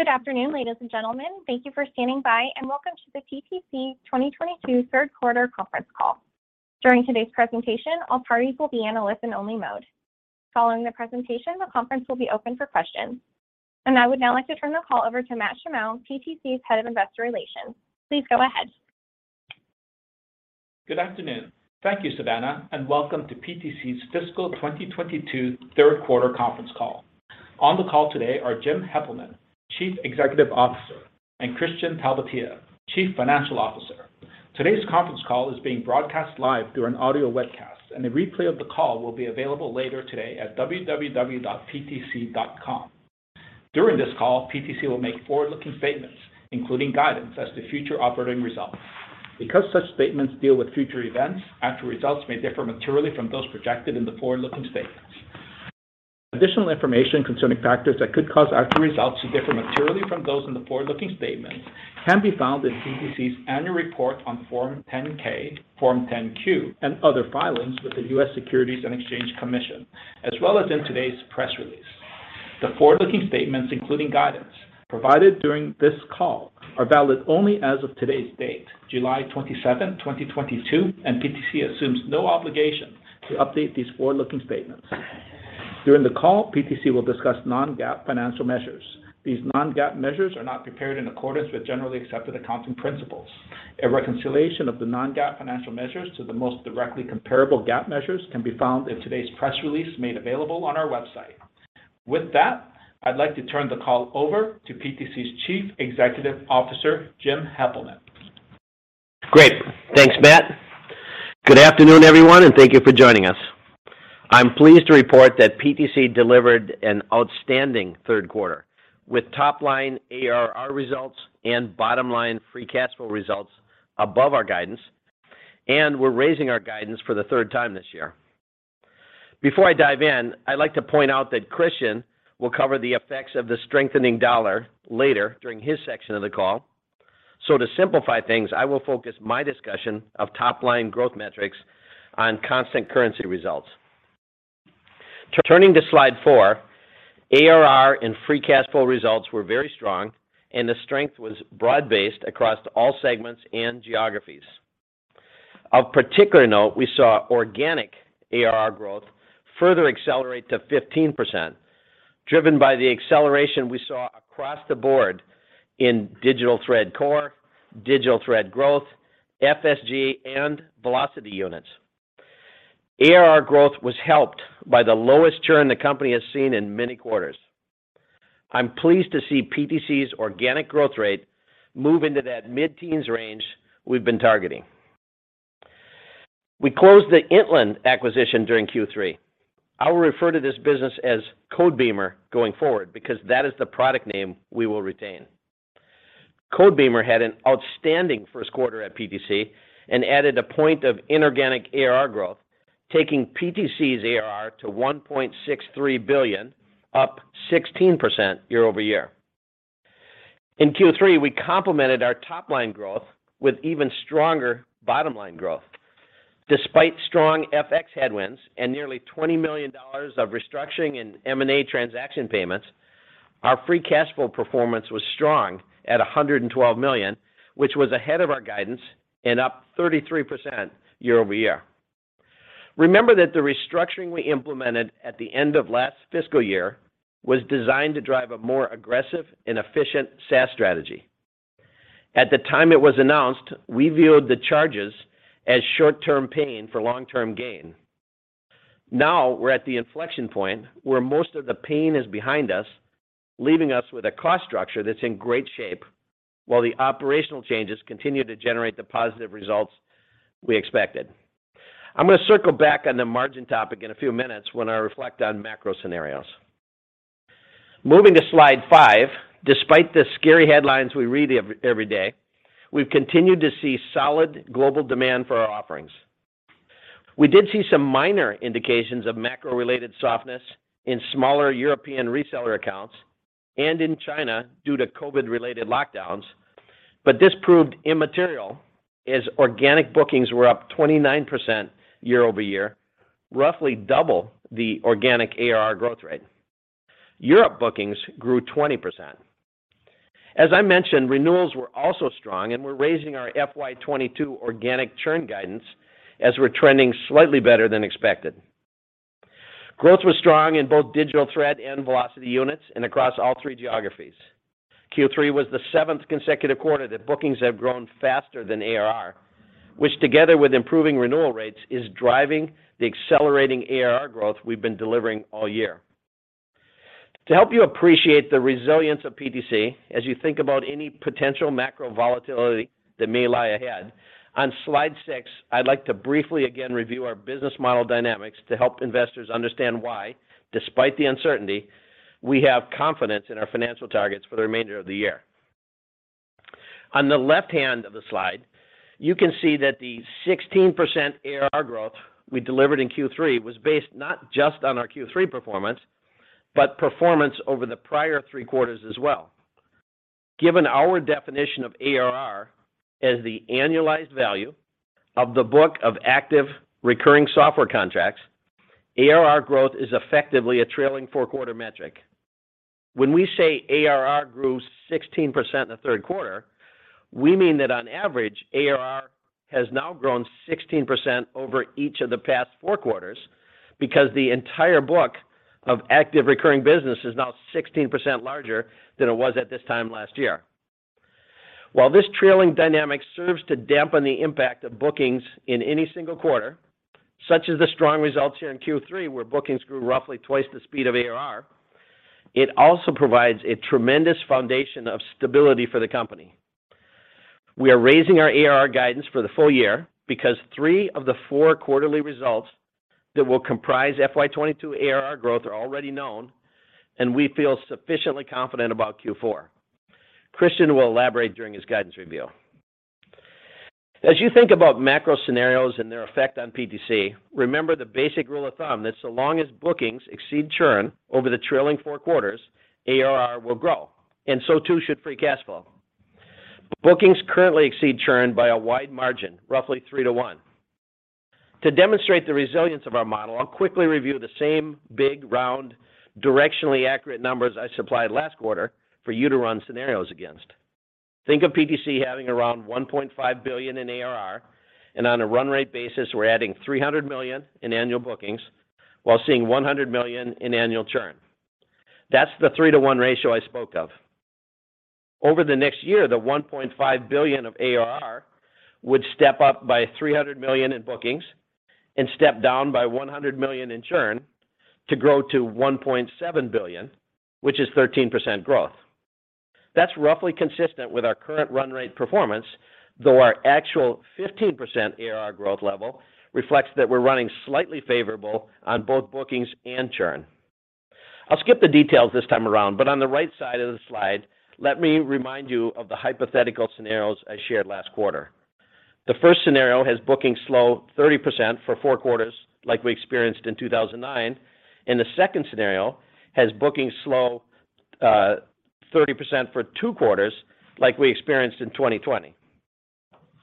Good afternoon, ladies and gentlemen. Thank you for standing by, and welcome to the PTC 2022 Third Quarter Conference Call. During today's presentation, all parties will be in listen-only mode. Following the presentation, the conference will be open for questions. I would now like to turn the call over to Matt Shimao, PTC's Head of Investor Relations. Please go ahead. Good afternoon. Thank you, Savannah, and welcome to PTC's Fiscal 2022 Third Quarter Conference Call. On the call today are James Heppelmann, Chief Executive Officer, and Kristian Talvitie, Chief Financial Officer. Today's conference call is being broadcast live through an audio webcast, and a replay of the call will be available later today at www.ptc.com. During this call, PTC will make forward-looking statements, including guidance as to future operating results. Because such statements deal with future events, actual results may differ materially from those projected in the forward-looking statements. Additional information concerning factors that could cause actual results to differ materially from those in the forward-looking statements can be found in PTC's annual report on Form 10-K, Form 10-Q, and other filings with the U.S. Securities and Exchange Commission, as well as in today's press release. The forward-looking statements, including guidance provided during this call, are valid only as of today's date, July 27, 2022, and PTC assumes no obligation to update these forward-looking statements. During the call, PTC will discuss non-GAAP financial measures. These non-GAAP measures are not prepared in accordance with generally accepted accounting principles. A reconciliation of the non-GAAP financial measures to the most directly comparable GAAP measures can be found in today's press release made available on our website. With that, I'd like to turn the call over to PTC's Chief Executive Officer, Jim Heppelmann. Great. Thanks, Matt. Good afternoon, everyone, and thank you for joining us. I'm pleased to report that PTC delivered an outstanding third quarter, with top line ARR results and bottom line free cash flow results above our guidance, and we're raising our guidance for the third time this year. Before I dive in, I'd like to point out that Kristian will cover the effects of the strengthening U.S. dollar later during his section of the call. To simplify things, I will focus my discussion of top-line growth metrics on constant currency results. Turning to slide 4, ARR and free cash flow results were very strong, and the strength was broad-based across all segments and geographies. Of particular note, we saw organic ARR growth further accelerate to 15%, driven by the acceleration we saw across the board in digital thread core, digital thread growth, FSG, and velocity units. ARR growth was helped by the lowest churn the company has seen in many quarters. I'm pleased to see PTC's organic growth rate move into that mid-teens range we've been targeting. We closed the Intland acquisition during Q3. I will refer to this business as Codebeamer going forward because that is the product name we will retain. Codebeamer had an outstanding first quarter at PTC and added a point of inorganic ARR growth, taking PTC's ARR to $1.63 billion, up 16% year-over-year. In Q3, we complemented our top line growth with even stronger bottom line growth. Despite strong FX headwinds and nearly $20 million of restructuring and M&A transaction payments, our free cash flow performance was strong at $112 million, which was ahead of our guidance and up 33% year-over-year. Remember that the restructuring we implemented at the end of last fiscal year was designed to drive a more aggressive and efficient SaaS strategy. At the time it was announced, we viewed the charges as short-term pain for long-term gain. Now we're at the inflection point where most of the pain is behind us, leaving us with a cost structure that's in great shape, while the operational changes continue to generate the positive results we expected. I'm gonna circle back on the margin topic in a few minutes when I reflect on macro scenarios. Moving to slide five, despite the scary headlines we read every day, we've continued to see solid global demand for our offerings. We did see some minor indications of macro-related softness in smaller European reseller accounts and in China due to COVID-related lockdowns, but this proved immaterial as organic bookings were up 29% year-over-year, roughly double the organic ARR growth rate. Europe bookings grew 20%. As I mentioned, renewals were also strong, and we're raising our FY 2022 organic churn guidance as we're trending slightly better than expected. Growth was strong in both digital thread and velocity units and across all three geographies. Q3 was the seventh consecutive quarter that bookings have grown faster than ARR, which together with improving renewal rates, is driving the accelerating ARR growth we've been delivering all year. To help you appreciate the resilience of PTC as you think about any potential macro volatility that may lie ahead, on slide six, I'd like to briefly again review our business model dynamics to help investors understand why, despite the uncertainty, we have confidence in our financial targets for the remainder of the year. On the left hand of the slide, you can see that the 16% ARR growth we delivered in Q3 was based not just on our Q3 performance, but performance over the prior three quarters as well. Given our definition of ARR as the annualized value of the book of active recurring software contracts. ARR growth is effectively a trailing four-quarter metric. When we say ARR grew 16% in the third quarter, we mean that on average, ARR has now grown 16% over each of the past 4 quarters because the entire book of active recurring business is now 16% larger than it was at this time last year. While this trailing dynamic serves to dampen the impact of bookings in any single quarter, such as the strong results here in Q3, where bookings grew roughly twice the speed of ARR, it also provides a tremendous foundation of stability for the company. We are raising our ARR guidance for the full year because 3 of the 4 quarterly results that will comprise FY 2022 ARR growth are already known, and we feel sufficiently confident about Q4. Kristian will elaborate during his guidance review. As you think about macro scenarios and their effect on PTC, remember the basic rule of thumb that so long as bookings exceed churn over the trailing four quarters, ARR will grow, and so too should free cash flow. Bookings currently exceed churn by a wide margin, roughly 3-to-1. To demonstrate the resilience of our model, I'll quickly review the same big, round, directionally accurate numbers I supplied last quarter for you to run scenarios against. Think of PTC having around $1.5 billion in ARR, and on a run rate basis, we're adding $300 million in annual bookings while seeing $100 million in annual churn. That's the 3-to-1 ratio I spoke of. Over the next year, the $1.5 billion of ARR would step up by $300 million in bookings and step down by $100 million in churn to grow to $1.7 billion, which is 13% growth. That's roughly consistent with our current run rate performance, though our actual 15% ARR growth level reflects that we're running slightly favorable on both bookings and churn. I'll skip the details this time around, but on the right side of the slide, let me remind you of the hypothetical scenarios I shared last quarter. The first scenario has bookings slow 30% for four quarters like we experienced in 2009, and the second scenario has bookings slow 30% for two quarters like we experienced in 2020.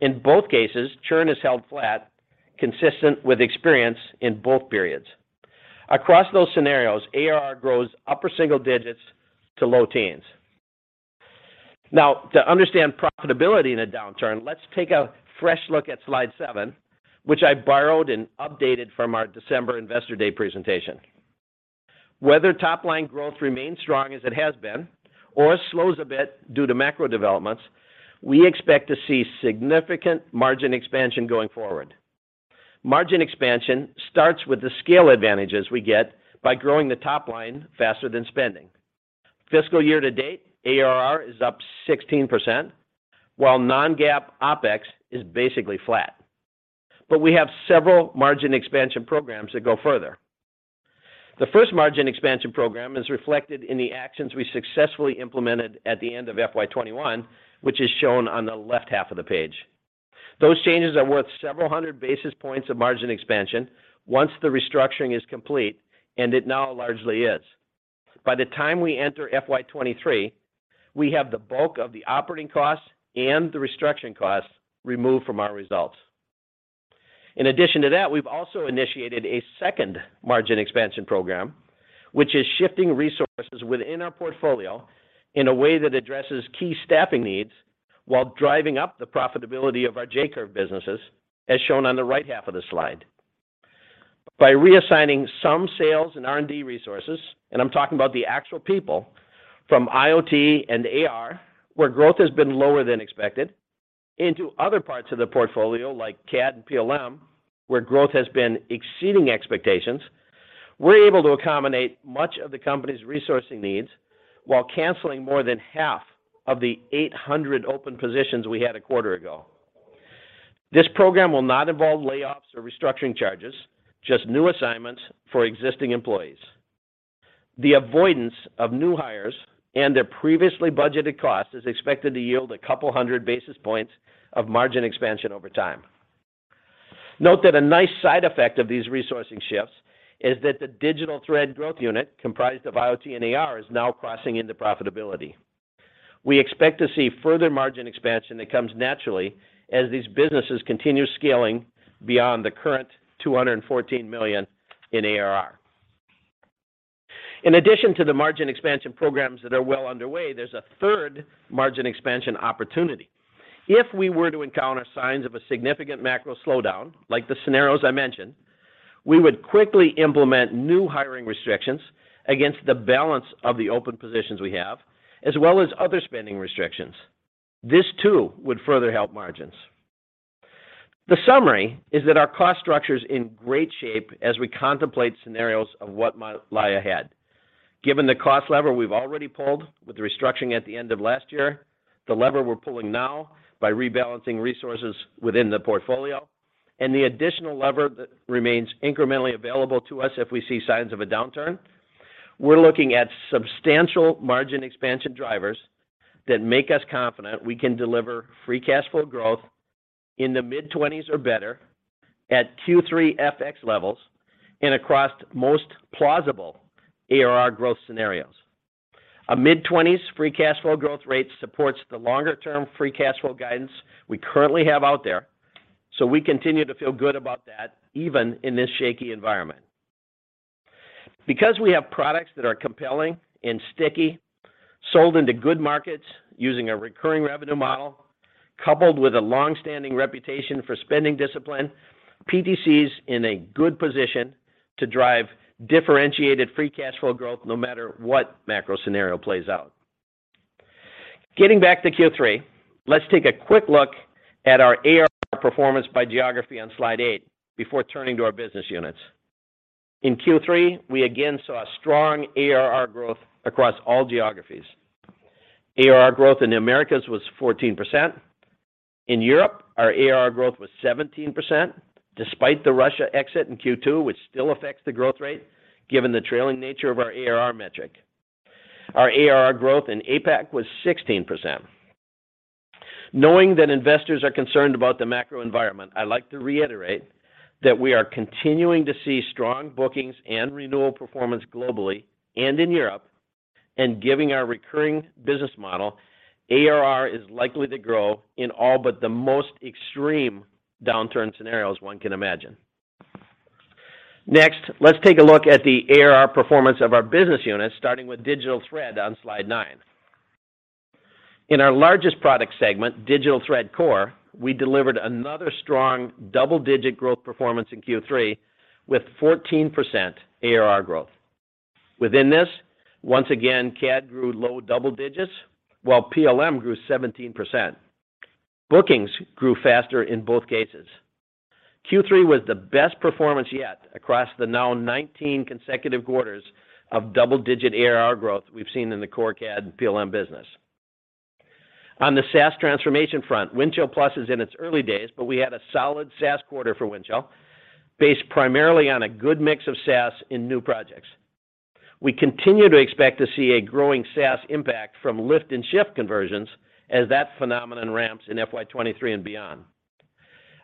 In both cases, churn is held flat, consistent with experience in both periods. Across those scenarios, ARR grows upper single digits to low teens. Now, to understand profitability in a downturn, let's take a fresh look at slide 7, which I borrowed and updated from our December Investor Day presentation. Whether top-line growth remains strong as it has been or slows a bit due to macro developments, we expect to see significant margin expansion going forward. Margin expansion starts with the scale advantages we get by growing the top line faster than spending. Fiscal year to date, ARR is up 16%, while non-GAAP OPEX is basically flat. We have several margin expansion programs that go further. The first margin expansion program is reflected in the actions we successfully implemented at the end of FY 2021, which is shown on the left half of the page. Those changes are worth several hundred basis points of margin expansion once the restructuring is complete, and it now largely is. By the time we enter FY'23, we have the bulk of the operating costs and the restructuring costs removed from our results. In addition to that, we've also initiated a second margin expansion program, which is shifting resources within our portfolio in a way that addresses key staffing needs while driving up the profitability of our J-curve businesses, as shown on the right half of the slide. By reassigning some sales and R&D resources, and I'm talking about the actual people from IoT and AR, where growth has been lower than expected, into other parts of the portfolio like CAD and PLM, where growth has been exceeding expectations, we're able to accommodate much of the company's resourcing needs while canceling more than half of the 800 open positions we had a quarter ago. This program will not involve layoffs or restructuring charges, just new assignments for existing employees. The avoidance of new hires and their previously budgeted costs is expected to yield 200 basis points of margin expansion over time. Note that a nice side effect of these resourcing shifts is that the digital thread growth unit comprised of IoT and AR is now crossing into profitability. We expect to see further margin expansion that comes naturally as these businesses continue scaling beyond the current 214 million in ARR. In addition to the margin expansion programs that are well underway, there's a third margin expansion opportunity. If we were to encounter signs of a significant macro slowdown, like the scenarios I mentioned, we would quickly implement new hiring restrictions against the balance of the open positions we have, as well as other spending restrictions. This too would further help margins. The summary is that our cost structure is in great shape as we contemplate scenarios of what might lie ahead. Given the cost lever we've already pulled with the restructuring at the end of last year, the lever we're pulling now by rebalancing resources within the portfolio, and the additional lever that remains incrementally available to us if we see signs of a downturn, we're looking at substantial margin expansion drivers that make us confident we can deliver free cash flow growth in the mid-20s% or better at Q3 FX levels and across most plausible ARR growth scenarios. A mid-20s% free cash flow growth rate supports the longer-term free cash flow guidance we currently have out there, so we continue to feel good about that even in this shaky environment. Because we have products that are compelling and sticky, sold into good markets using a recurring revenue model, coupled with a long-standing reputation for spending discipline, PTC's in a good position to drive differentiated free cash flow growth no matter what macro scenario plays out. Getting back to Q3, let's take a quick look at our ARR performance by geography on slide 8 before turning to our business units. In Q3, we again saw strong ARR growth across all geographies. ARR growth in the Americas was 14%. In Europe, our ARR growth was 17%, despite the Russia exit in Q2, which still affects the growth rate given the trailing nature of our ARR metric. Our ARR growth in APAC was 16%. Knowing that investors are concerned about the macro environment, I like to reiterate that we are continuing to see strong bookings and renewal performance globally and in Europe. Giving our recurring business model, ARR is likely to grow in all but the most extreme downturn scenarios one can imagine. Next, let's take a look at the ARR performance of our business units, starting with Digital Thread on slide 9. In our largest product segment, Digital Thread Core, we delivered another strong double-digit growth performance in Q3 with 14% ARR growth. Within this, once again, CAD grew low double digits, while PLM grew 17%. Bookings grew faster in both cases. Q3 was the best performance yet across the now 19 consecutive quarters of double-digit ARR growth we've seen in the Core CAD and PLM business. On the SaaS transformation front, Windchill+ is in its early days, but we had a solid SaaS quarter for Windchill based primarily on a good mix of SaaS in new projects. We continue to expect to see a growing SaaS impact from lift and shift conversions as that phenomenon ramps in FY 2023 and beyond.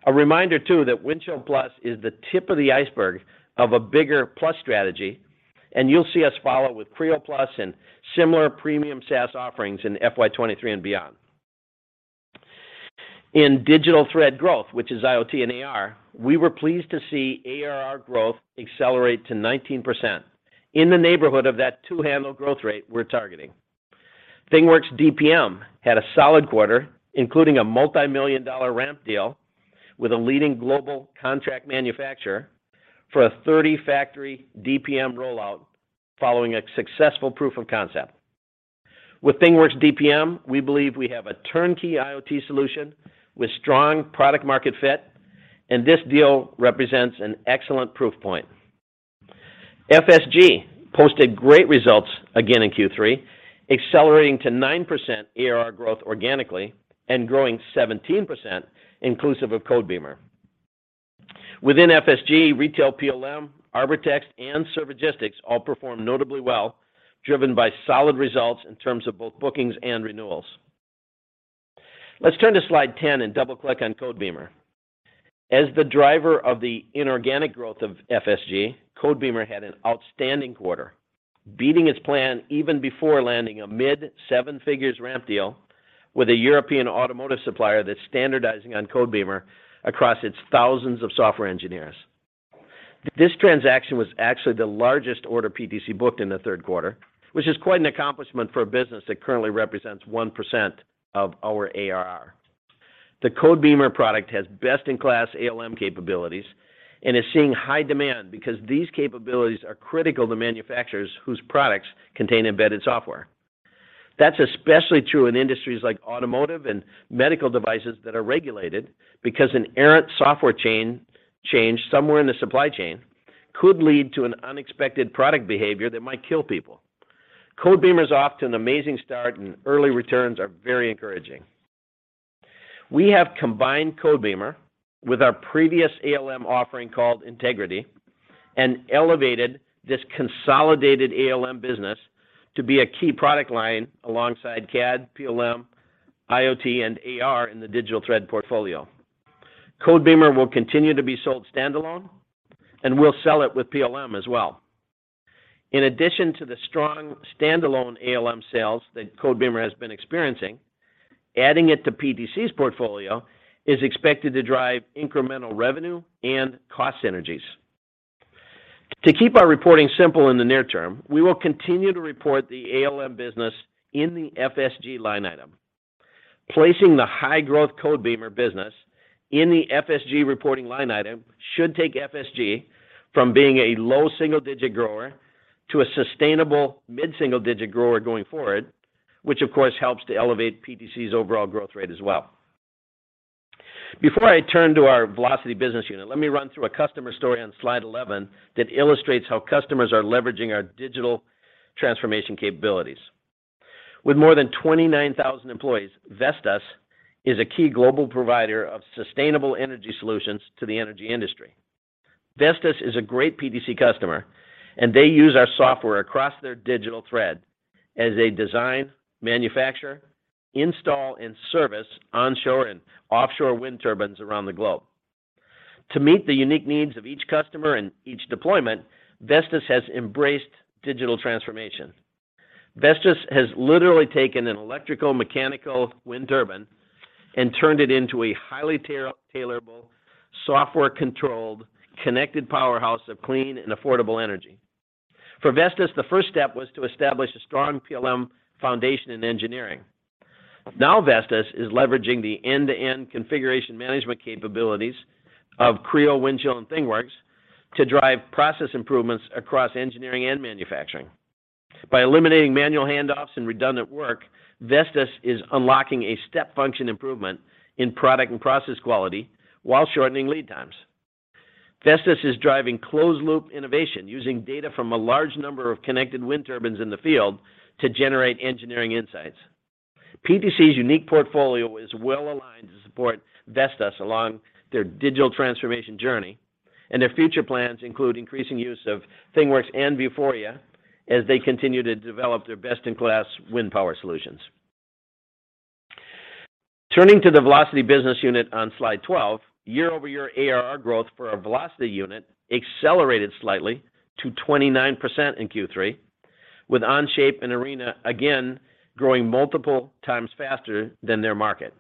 A reminder too that Windchill+ is the tip of the iceberg of a bigger plus strategy, and you'll see us follow with Creo+ and similar premium SaaS offerings in FY 2023 and beyond. In digital thread growth, which is IoT and AR, we were pleased to see ARR growth accelerate to 19% in the neighborhood of that two-handle growth rate we're targeting. ThingWorx DPM had a solid quarter, including a $multimillion ramp deal with a leading global contract manufacturer for a 30-factory DPM rollout following a successful proof of concept. With ThingWorx DPM, we believe we have a turnkey IoT solution with strong product market fit, and this deal represents an excellent proof point. FSG posted great results again in Q3, accelerating to 9% ARR growth organically and growing 17% inclusive of Codebeamer. Within FSG, Retail PLM, Arbortext, and Servigistics all performed notably well, driven by solid results in terms of both bookings and renewals. Let's turn to slide 10 and double-click on Codebeamer. As the driver of the inorganic growth of FSG, Codebeamer had an outstanding quarter, beating its plan even before landing a mid-seven figures ramp deal with a European automotive supplier that's standardizing on Codebeamer across its thousands of software engineers. This transaction was actually the largest order PTC booked in the third quarter, which is quite an accomplishment for a business that currently represents 1% of our ARR. The Codebeamer product has best-in-class ALM capabilities and is seeing high demand because these capabilities are critical to manufacturers whose products contain embedded software. That's especially true in industries like automotive and medical devices that are regulated because an errant software chain change somewhere in the supply chain could lead to an unexpected product behavior that might kill people. Codebeamer is off to an amazing start, and early returns are very encouraging. We have combined Codebeamer with our previous ALM offering called Integrity and elevated this consolidated ALM business to be a key product line alongside CAD, PLM, IoT, and AR in the Digital Thread portfolio. Codebeamer will continue to be sold standalone, and we'll sell it with PLM as well. In addition to the strong standalone ALM sales that Codebeamer has been experiencing, adding it to PTC's portfolio is expected to drive incremental revenue and cost synergies. To keep our reporting simple in the near term, we will continue to report the ALM business in the FSG line item. Placing the high-growth Codebeamer business in the FSG reporting line item should take FSG from being a low single-digit grower to a sustainable mid-single digit grower going forward, which of course helps to elevate PTC's overall growth rate as well. Before I turn to our Velocity business unit, let me run through a customer story on slide 11 that illustrates how customers are leveraging our digital transformation capabilities. With more than 29,000 employees, Vestas is a key global provider of sustainable energy solutions to the energy industry. Vestas is a great PTC customer, and they use our software across their digital thread as they design, manufacture, install, and service onshore and offshore wind turbines around the globe. To meet the unique needs of each customer and each deployment, Vestas has embraced digital transformation. Vestas has literally taken an electrical mechanical wind turbine and turned it into a highly tailorable, software-controlled, connected powerhouse of clean and affordable energy. For Vestas, the first step was to establish a strong PLM foundation in engineering. Now, Vestas is leveraging the end-to-end configuration management capabilities of Creo, Windchill, and ThingWorx to drive process improvements across engineering and manufacturing. By eliminating manual hand-offs and redundant work, Vestas is unlocking a step function improvement in product and process quality while shortening lead times. Vestas is driving closed-loop innovation, using data from a large number of connected wind turbines in the field to generate engineering insights. PTC's unique portfolio is well-aligned to support Vestas along their digital transformation journey, and their future plans include increasing use of ThingWorx and Vuforia as they continue to develop their best-in-class wind power solutions. Turning to the Velocity business unit on slide 12, year-over-year ARR growth for our Velocity unit accelerated slightly to 29% in Q3, with Onshape and Arena again growing multiple times faster than their market.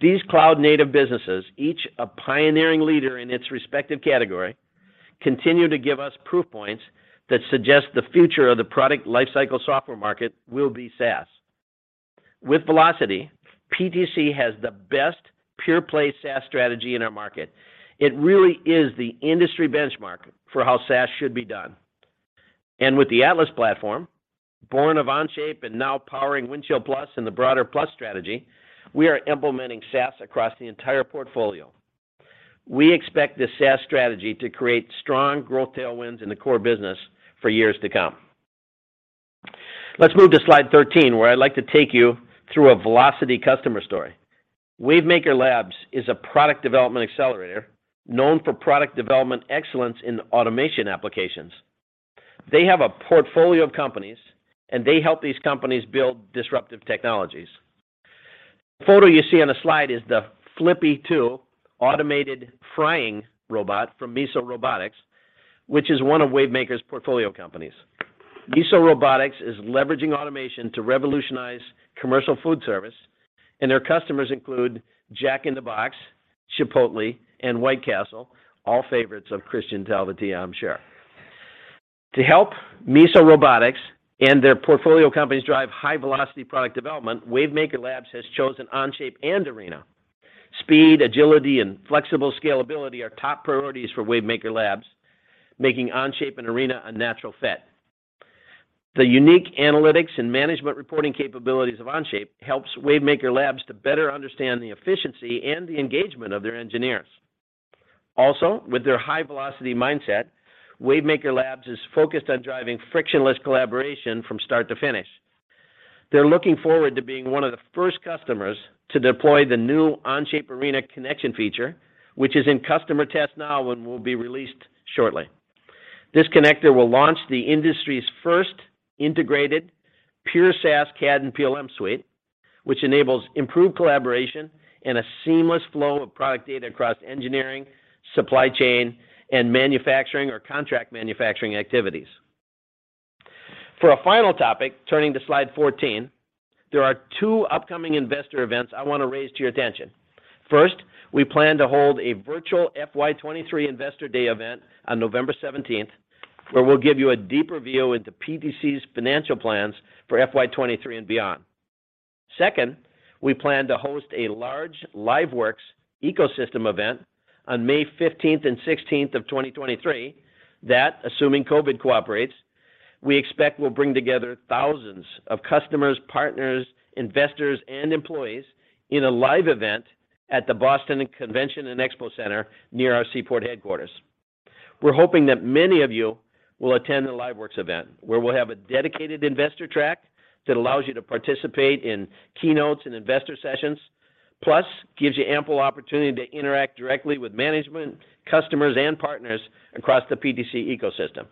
These cloud-native businesses, each a pioneering leader in its respective category, continue to give us proof points that suggest the future of the product lifecycle software market will be SaaS. With Velocity, PTC has the best pure-play SaaS strategy in our market. It really is the industry benchmark for how SaaS should be done. With the Atlas platform, born of Onshape and now powering Windchill Plus and the broader Plus strategy, we are implementing SaaS across the entire portfolio. We expect this SaaS strategy to create strong growth tailwinds in the core business for years to come. Let's move to slide 13, where I'd like to take you through a Velocity customer story. Wavemaker Labs is a product development accelerator known for product development excellence in automation applications. They have a portfolio of companies, and they help these companies build disruptive technologies. The photo you see on the slide is the Flippy 2 automated frying robot from Miso Robotics, which is one of Wavemaker's portfolio companies. Miso Robotics is leveraging automation to revolutionize commercial food service, and their customers include Jack in the Box, Chipotle, and White Castle, all favorites of Kristian Talvitie, I'm sure. To help Miso Robotics and their portfolio companies drive high-velocity product development, Wavemaker Labs has chosen Onshape and Arena. Speed, agility, and flexible scalability are top priorities for Wavemaker Labs, making Onshape and Arena a natural fit. The unique analytics and management reporting capabilities of Onshape helps Wavemaker Labs to better understand the efficiency and the engagement of their engineers. Also, with their high-velocity mindset, Wavemaker Labs is focused on driving frictionless collaboration from start to finish. They're looking forward to being one of the first customers to deploy the new Onshape-Arena connection feature, which is in customer test now and will be released shortly. This connector will launch the industry's first integrated pure SaaS CAD and PLM suite, which enables improved collaboration and a seamless flow of product data across engineering, supply chain, and manufacturing or contract manufacturing activities. For our final topic, turning to slide 14, there are two upcoming investor events I want to raise to your attention. First, we plan to hold a virtual FY 2023 Investor Day event on November 17, where we'll give you a deeper view into PTC's financial plans for FY 2023 and beyond. Second, we plan to host a large LiveWorx ecosystem event on May 15 and 16, 2023 that, assuming COVID cooperates, we expect will bring together thousands of customers, partners, investors, and employees in a live event at the Boston Convention and Expo Center near our Seaport headquarters. We're hoping that many of you will attend the LiveWorx event, where we'll have a dedicated investor track that allows you to participate in keynotes and investor sessions, plus gives you ample opportunity to interact directly with management, customers, and partners across the PTC ecosystem.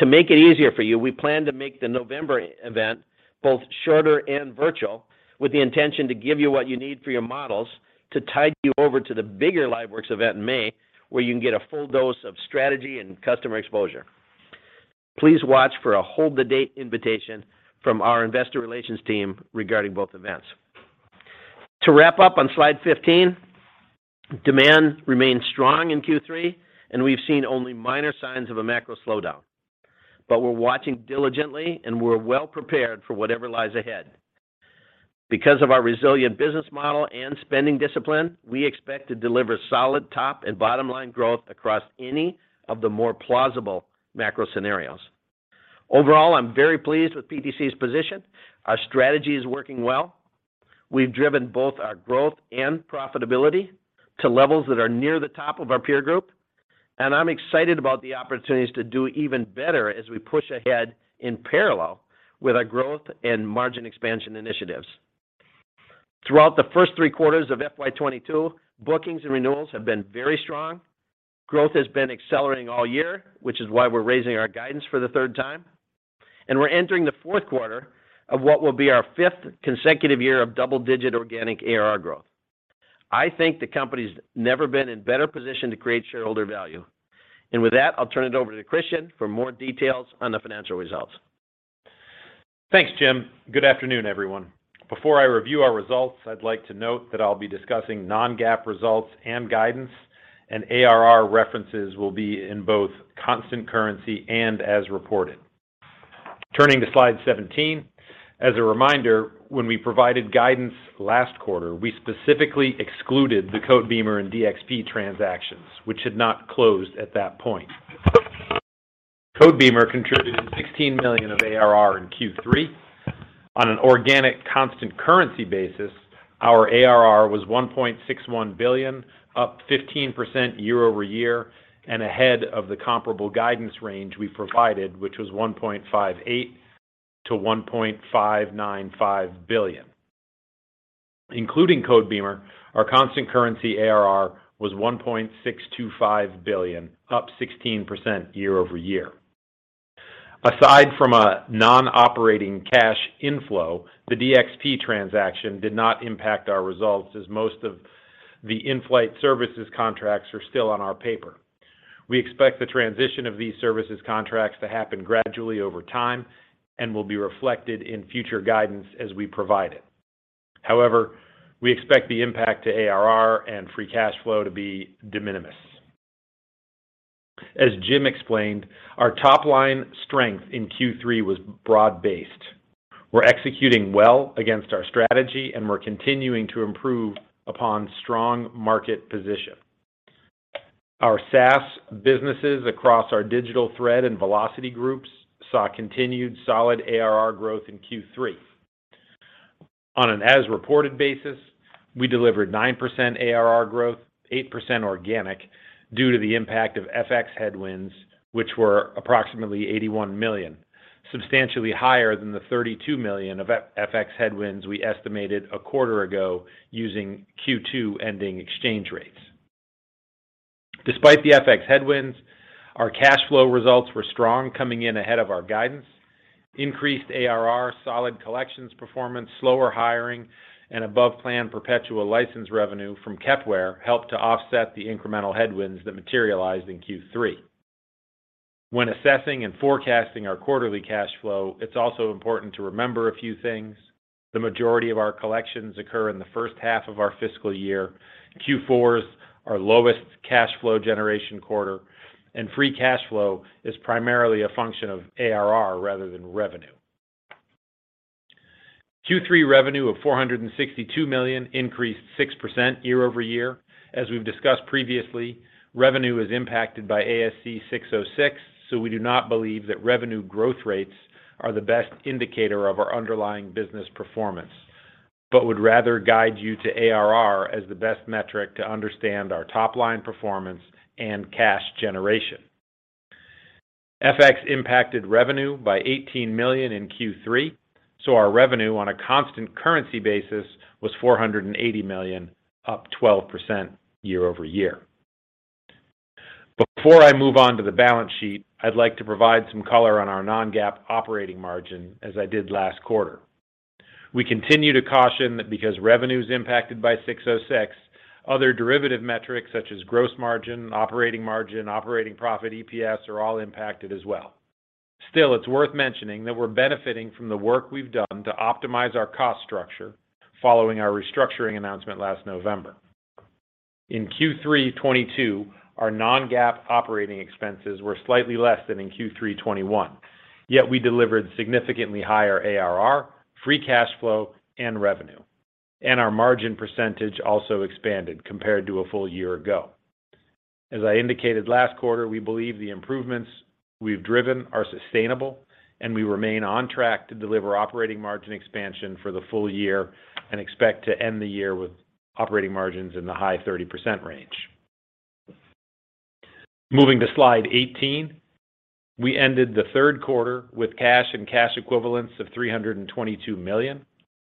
To make it easier for you, we plan to make the November event both shorter and virtual, with the intention to give you what you need for your models to tide you over to the bigger LiveWorx event in May, where you can get a full dose of strategy and customer exposure. Please watch for a hold the date invitation from our investor relations team regarding both events. To wrap up on slide 15, demand remains strong in Q3, and we've seen only minor signs of a macro slowdown, but we're watching diligently, and we're well prepared for whatever lies ahead. Because of our resilient business model and spending discipline, we expect to deliver solid top and bottom-line growth across any of the more plausible macro scenarios. Overall, I'm very pleased with PTC's position. Our strategy is working well. We've driven both our growth and profitability to levels that are near the top of our peer group, and I'm excited about the opportunities to do even better as we push ahead in parallel with our growth and margin expansion initiatives. Throughout the first three quarters of FY 2022, bookings and renewals have been very strong. Growth has been accelerating all year, which is why we're raising our guidance for the third time. We're entering the fourth quarter of what will be our fifth consecutive year of double-digit organic ARR growth. I think the company's never been in better position to create shareholder value. With that, I'll turn it over to Kristian for more details on the financial results. Thanks, Jim. Good afternoon, everyone. Before I review our results, I'd like to note that I'll be discussing non-GAAP results and guidance, and ARR references will be in both constant currency and as reported. Turning to slide 17, as a reminder, when we provided guidance last quarter, we specifically excluded the Codebeamer and DXP transactions, which had not closed at that point. Codebeamer contributed $16 million of ARR in Q3. On an organic constant currency basis, our ARR was $1.61 billion, up 15% year-over-year, and ahead of the comparable guidance range we provided, which was $1.58 billion-$1.595 billion. Including Codebeamer, our constant currency ARR was $1.625 billion, up 16% year-over-year. Aside from a non-operating cash inflow, the DXP transaction did not impact our results, as most of the in-flight services contracts are still on our paper. We expect the transition of these services contracts to happen gradually over time and will be reflected in future guidance as we provide it. However, we expect the impact to ARR and free cash flow to be de minimis. As Jim explained, our top line strength in Q3 was broad-based. We're executing well against our strategy, and we're continuing to improve upon strong market position. Our SaaS businesses across our digital thread and velocity groups saw continued solid ARR growth in Q3. On an as-reported basis, we delivered 9% ARR growth, 8% organic due to the impact of FX headwinds, which were approximately $81 million, substantially higher than the $32 million of FX headwinds we estimated a quarter ago using Q2-ending exchange rates. Despite the FX headwinds, our cash flow results were strong, coming in ahead of our guidance. Increased ARR, solid collections performance, slower hiring, and above-plan perpetual license revenue from Kepware helped to offset the incremental headwinds that materialized in Q3. When assessing and forecasting our quarterly cash flow, it's also important to remember a few things. The majority of our collections occur in the first half of our fiscal year. Q4 is our lowest cash flow generation quarter, and free cash flow is primarily a function of ARR rather than revenue. Q3 revenue of $462 million increased 6% year over year. As we've discussed previously, revenue is impacted by ASC 606, so we do not believe that revenue growth rates are the best indicator of our underlying business performance, but would rather guide you to ARR as the best metric to understand our top-line performance and cash generation. FX impacted revenue by $18 million in Q3, so our revenue on a constant currency basis was $480 million, up 12% year-over-year. Before I move on to the balance sheet, I'd like to provide some color on our non-GAAP operating margin, as I did last quarter. We continue to caution that because revenue is impacted by 606, other derivative metrics such as gross margin, operating margin, operating profit, EPS, are all impacted as well. Still, it's worth mentioning that we're benefiting from the work we've done to optimize our cost structure following our restructuring announcement last November. In Q3 2022, our non-GAAP operating expenses were slightly less than in Q3 2021. Yet we delivered significantly higher ARR, free cash flow, and revenue, and our margin percentage also expanded compared to a full year ago. As I indicated last quarter, we believe the improvements we've driven are sustainable, and we remain on track to deliver operating margin expansion for the full year and expect to end the year with operating margins in the high 30% range. Moving to slide 18, we ended the third quarter with cash and cash equivalents of $322 million.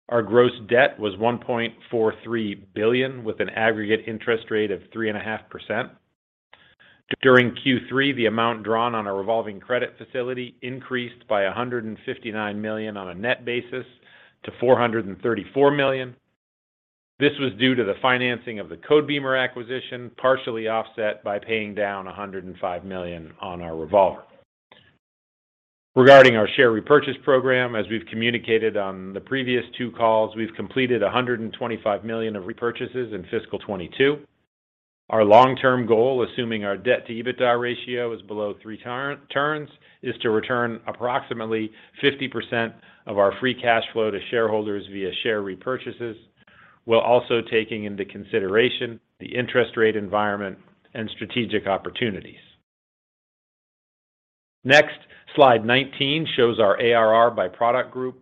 Our gross debt was $1.43 billion, with an aggregate interest rate of 3.5%. During Q3, the amount drawn on our revolving credit facility increased by $159 million on a net basis to $434 million. This was due to the financing of the Codebeamer acquisition, partially offset by paying down $105 million on our revolver. Regarding our share repurchase program, as we've communicated on the previous two calls, we've completed $125 million of repurchases in fiscal 2022. Our long-term goal, assuming our debt-to-EBITDA ratio is below 3 turns, is to return approximately 50% of our free cash flow to shareholders via share repurchases, while also taking into consideration the interest rate environment and strategic opportunities. Next, slide 19 shows our ARR by product group.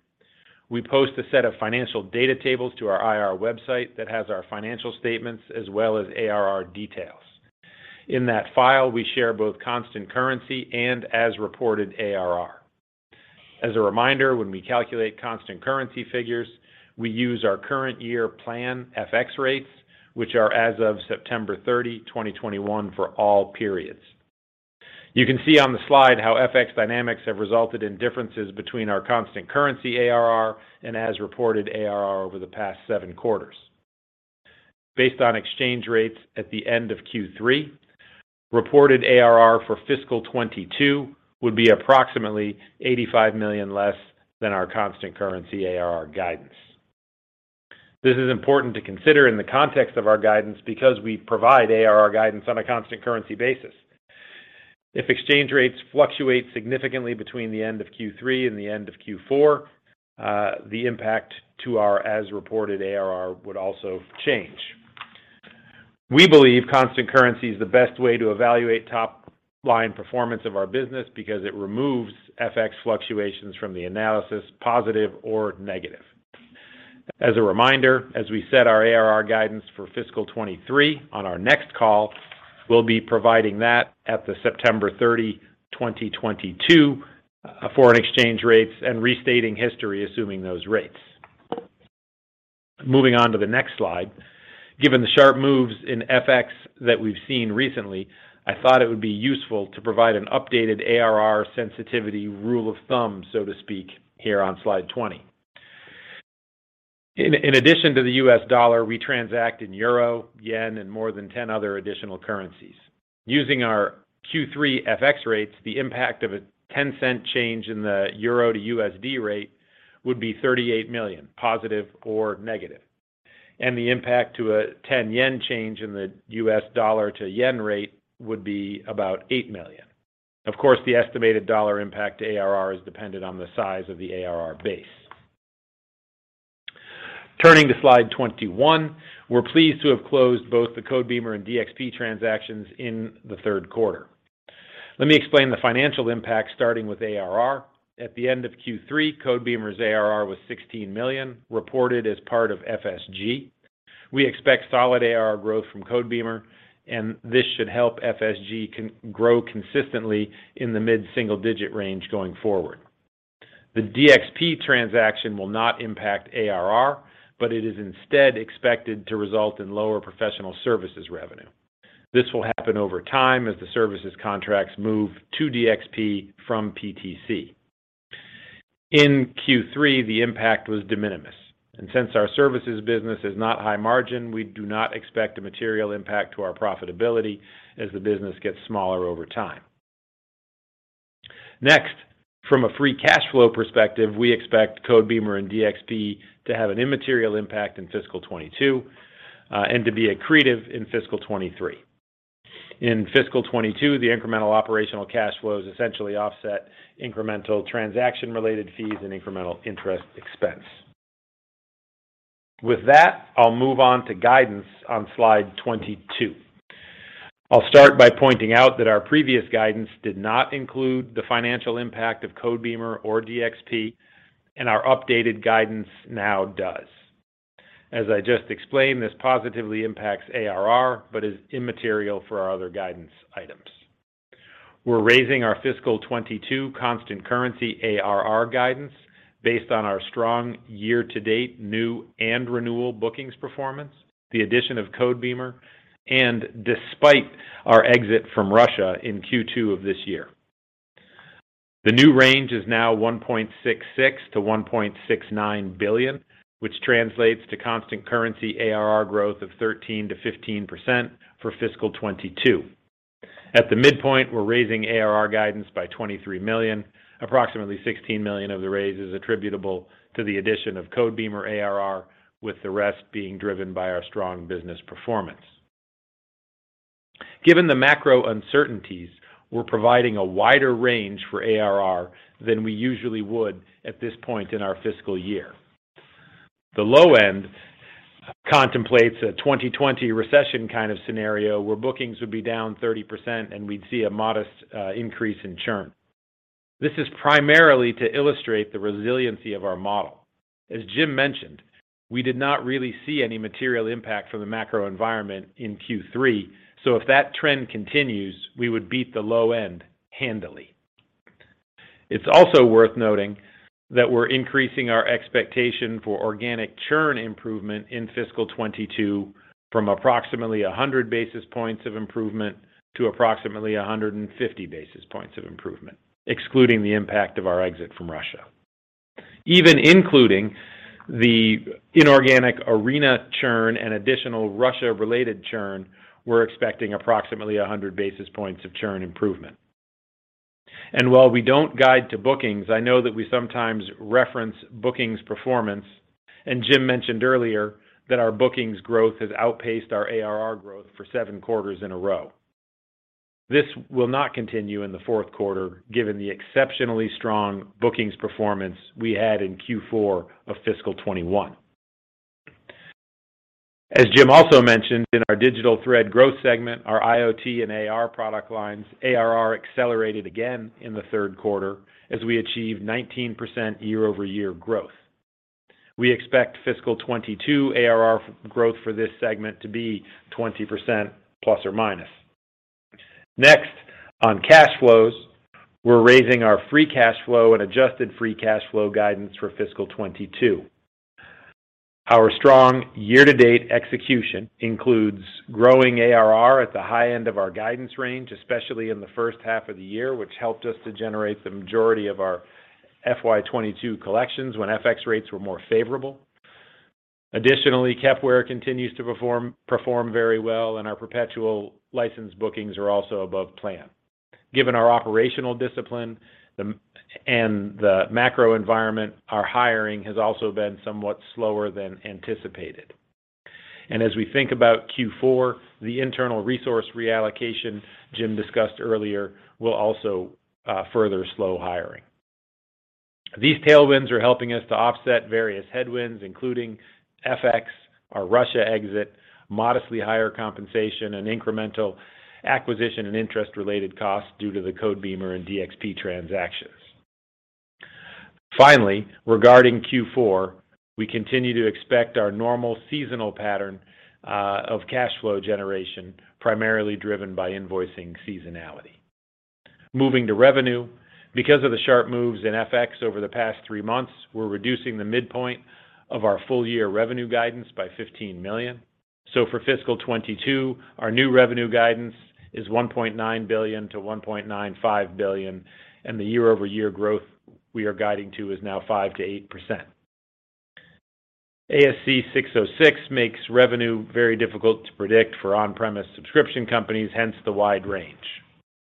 We post a set of financial data tables to our IR website that has our financial statements as well as ARR details. In that file, we share both constant currency and as-reported ARR. As a reminder, when we calculate constant currency figures, we use our current year plan FX rates, which are as of September 30, 2021 for all periods. You can see on the slide how FX dynamics have resulted in differences between our constant currency ARR and as reported ARR over the past 7 quarters. Based on exchange rates at the end of Q3, reported ARR for fiscal 2022 would be approximately $85 million less than our constant currency ARR guidance. This is important to consider in the context of our guidance because we provide ARR guidance on a constant currency basis. If exchange rates fluctuate significantly between the end of Q3 and the end of Q4, the impact to our as-reported ARR would also change. We believe constant currency is the best way to evaluate top-line performance of our business because it removes FX fluctuations from the analysis, positive or negative. As a reminder, as we set our ARR guidance for fiscal 2023 on our next call, we'll be providing that at the September 30, 2022 foreign exchange rates and restating history assuming those rates. Moving on to the next slide. Given the sharp moves in FX that we've seen recently, I thought it would be useful to provide an updated ARR sensitivity rule of thumb, so to speak, here on slide 20. In addition to the U.S. dollar, we transact in euro, yen, and more than 10 other additional currencies. Using our Q3 FX rates, the impact of a 10-cent change in the euro to USD rate would be $38 million, positive or negative. The impact to a 10-yen change in the U.S. dollar to yen rate would be about $8 million. Of course, the estimated dollar impact to ARR is dependent on the size of the ARR base. Turning to slide 21. We're pleased to have closed both the Codebeamer and DXP transactions in the third quarter. Let me explain the financial impact, starting with ARR. At the end of Q3, Codebeamer's ARR was $16 million, reported as part of FSG. We expect solid ARR growth from Codebeamer, and this should help FSG to grow consistently in the mid-single digit range going forward. The DXP transaction will not impact ARR, but it is instead expected to result in lower professional services revenue. This will happen over time as the services contracts move to DXP from PTC. In Q3, the impact was de minimis, and since our services business is not high margin, we do not expect a material impact to our profitability as the business gets smaller over time. Next, from a free cash flow perspective, we expect Codebeamer and DXP to have an immaterial impact in fiscal 2022, and to be accretive in fiscal 2023. In fiscal 2022, the incremental operational cash flows essentially offset incremental transaction-related fees and incremental interest expense. With that, I'll move on to guidance on slide 22. I'll start by pointing out that our previous guidance did not include the financial impact of Codebeamer or DXP, and our updated guidance now does. As I just explained, this positively impacts ARR, but is immaterial for our other guidance items. We're raising our fiscal 2022 constant currency ARR guidance based on our strong year-to-date new and renewal bookings performance, the addition of Codebeamer, and despite our exit from Russia in Q2 of this year. The new range is now $1.66 billion-$1.69 billion, which translates to constant currency ARR growth of 13%-15% for fiscal 2022. At the midpoint, we're raising ARR guidance by $23 million. Approximately $16 million of the raise is attributable to the addition of Codebeamer ARR, with the rest being driven by our strong business performance. Given the macro uncertainties, we're providing a wider range for ARR than we usually would at this point in our fiscal year. The low end contemplates a 2020 recession kind of scenario where bookings would be down 30% and we'd see a modest increase in churn. This is primarily to illustrate the resiliency of our model. As Jim mentioned, we did not really see any material impact from the macro environment in Q3, so if that trend continues, we would beat the low end handily. It's also worth noting that we're increasing our expectation for organic churn improvement in fiscal 2022 from approximately 100 basis points of improvement to approximately 150 basis points of improvement, excluding the impact of our exit from Russia. Even including the inorganic Arena churn and additional Russia-related churn, we're expecting approximately 100 basis points of churn improvement. While we don't guide to bookings, I know that we sometimes reference bookings performance, and Jim mentioned earlier that our bookings growth has outpaced our ARR growth for 7 quarters in a row. This will not continue in the fourth quarter, given the exceptionally strong bookings performance we had in Q4 of fiscal 2021. As Jim also mentioned, in our digital thread growth segment, our IoT and AR product lines, ARR accelerated again in the third quarter as we achieved 19% year-over-year growth. We expect fiscal 2022 ARR growth for this segment to be 20% ±. Next, on cash flows, we're raising our free cash flow and adjusted free cash flow guidance for fiscal 2022. Our strong year-to-date execution includes growing ARR at the high end of our guidance range, especially in the first half of the year, which helped us to generate the majority of our FY'22 collections when FX rates were more favorable. Additionally, Kepware continues to perform very well, and our perpetual license bookings are also above plan. Given our operational discipline and the macro environment, our hiring has also been somewhat slower than anticipated. As we think about Q4, the internal resource reallocation Jim discussed earlier will also further slow hiring. These tailwinds are helping us to offset various headwinds, including FX, our Russia exit, modestly higher compensation, and incremental acquisition and interest-related costs due to the Codebeamer and DXP transactions. Finally, regarding Q4, we continue to expect our normal seasonal pattern of cash flow generation, primarily driven by invoicing seasonality. Moving to revenue, because of the sharp moves in FX over the past three months, we're reducing the midpoint of our full year revenue guidance by $15 million. For fiscal 2022, our new revenue guidance is $1.9 billion-$1.95 billion, and the year-over-year growth we are guiding to is now 5%-8%. ASC 606 makes revenue very difficult to predict for on-premise subscription companies, hence the wide range.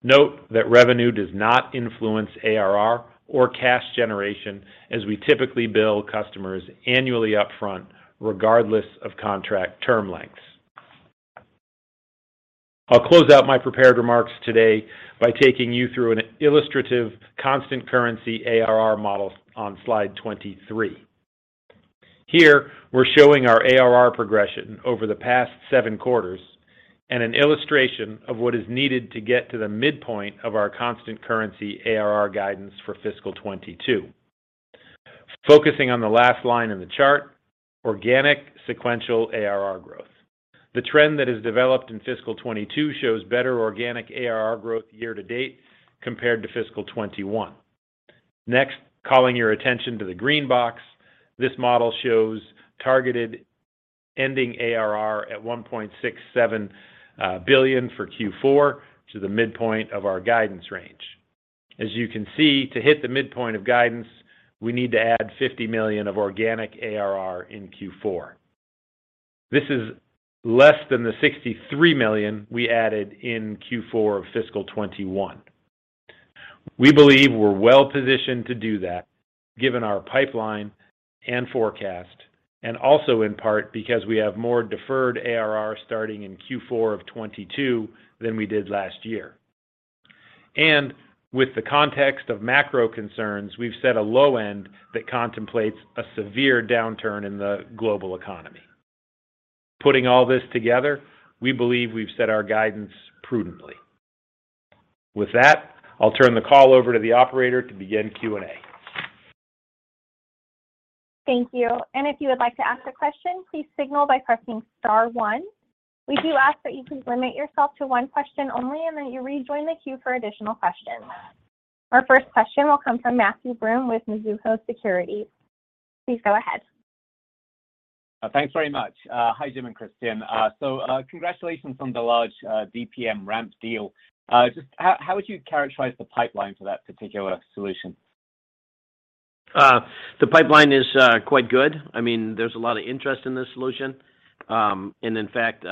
Note that revenue does not influence ARR or cash generation, as we typically bill customers annually upfront regardless of contract term lengths. I'll close out my prepared remarks today by taking you through an illustrative constant currency ARR model on slide 23. Here, we're showing our ARR progression over the past 7 quarters and an illustration of what is needed to get to the midpoint of our constant currency ARR guidance for fiscal 2022. Focusing on the last line in the chart, organic sequential ARR growth. The trend that has developed in fiscal 2022 shows better organic ARR growth year to date compared to fiscal 2021. Next, calling your attention to the green box, this model shows targeted ending ARR at $1.67 billion for Q4 to the midpoint of our guidance range. As you can see, to hit the midpoint of guidance, we need to add $50 million of organic ARR in Q4. This is less than the $63 million we added in Q4 of fiscal 2021. We believe we're well-positioned to do that given our pipeline and forecast, and also in part because we have more deferred ARR starting in Q4 of 2022 than we did last year. With the context of macro concerns, we've set a low end that contemplates a severe downturn in the global economy. Putting all this together, we believe we've set our guidance prudently. With that, I'll turn the call over to the operator to begin Q&A. Thank you. If you would like to ask a question, please signal by pressing star one. We do ask that you please limit yourself to one question only, and that you rejoin the queue for additional questions. Our first question will come from Matthew Broome with Mizuho Securities. Please go ahead. Thanks very much. Hi, Jim and Kristian. Congratulations on the large DPM ramp deal. Just how would you characterize the pipeline for that particular solution? The pipeline is quite good. I mean, there's a lot of interest in this solution. In fact,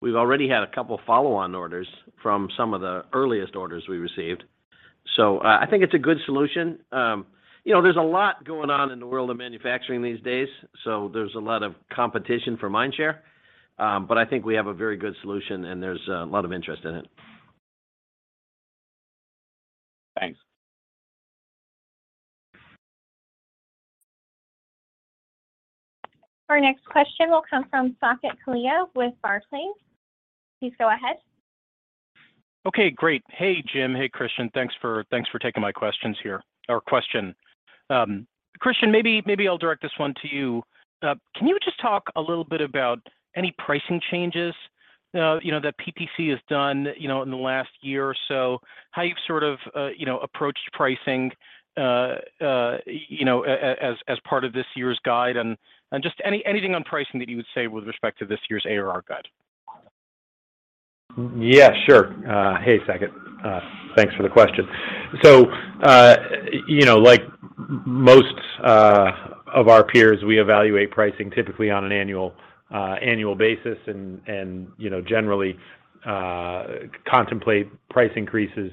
we've already had a couple follow-on orders from some of the earliest orders we received. I think it's a good solution. You know, there's a lot going on in the world of manufacturing these days, so there's a lot of competition for mind share. I think we have a very good solution, and there's a lot of interest in it. Thanks. Our next question will come from Saket Kalia with Barclays. Please go ahead. Okay, great. Hey, Jim. Hey, Kristian. Thanks for taking my questions here, or question. Kristian, maybe I'll direct this one to you. Can you just talk a little bit about any pricing changes, you know, that PTC has done, you know, in the last year or so? How you've sort of, you know, approached pricing, you know, as part of this year's guide, and just anything on pricing that you would say with respect to this year's ARR guide? Yeah, sure. Hey, Saket, thanks for the question. You know, like most of our peers, we evaluate pricing typically on an annual basis and, you know, generally contemplate price increases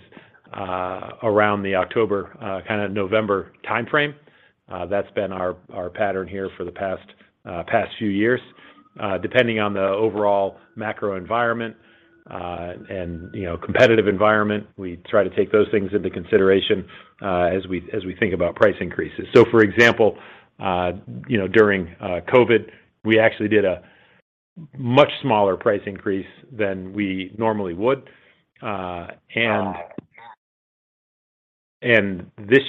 around the October, kind of November timeframe. That's been our pattern here for the past few years. Depending on the overall macro environment, and, you know, competitive environment, we try to take those things into consideration, as we think about price increases. For example, you know, during COVID, we actually did a much smaller price increase than we normally would. This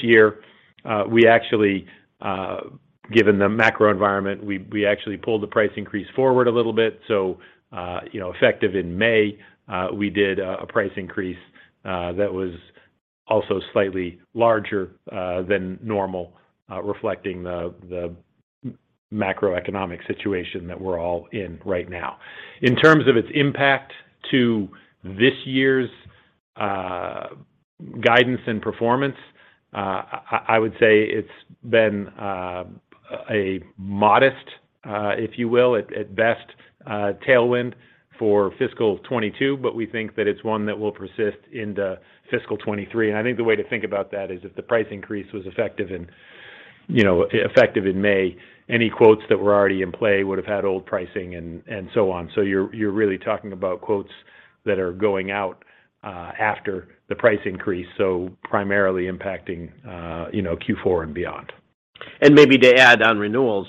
year, given the macro environment, we actually pulled the price increase forward a little bit. You know, effective in May, we did a price increase that was also slightly larger than normal, reflecting the macroeconomic situation that we're all in right now. In terms of its impact to this year's guidance and performance, I would say it's been a modest, if you will, at best, tailwind for fiscal 2022, but we think that it's one that will persist into fiscal 2023. I think the way to think about that is if the price increase was effective in May, any quotes that were already in play would have had old pricing and so on. You're really talking about quotes that are going out after the price increase, so primarily impacting Q4 and beyond. Maybe to add on renewals,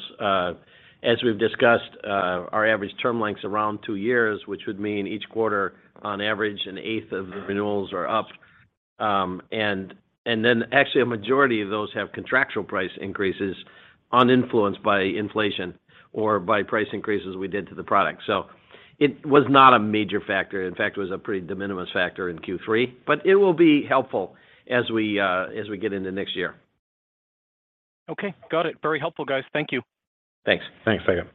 as we've discussed, our average term length's around two years, which would mean each quarter, on average, an eighth of the renewals are up. Then actually a majority of those have contractual price increases uninfluenced by inflation or by price increases we did to the product. It was not a major factor. In fact, it was a pretty de minimis factor in Q3, but it will be helpful as we get into next year. Okay. Got it. Very helpful, guys. Thank you. Thanks. Thanks, Saket.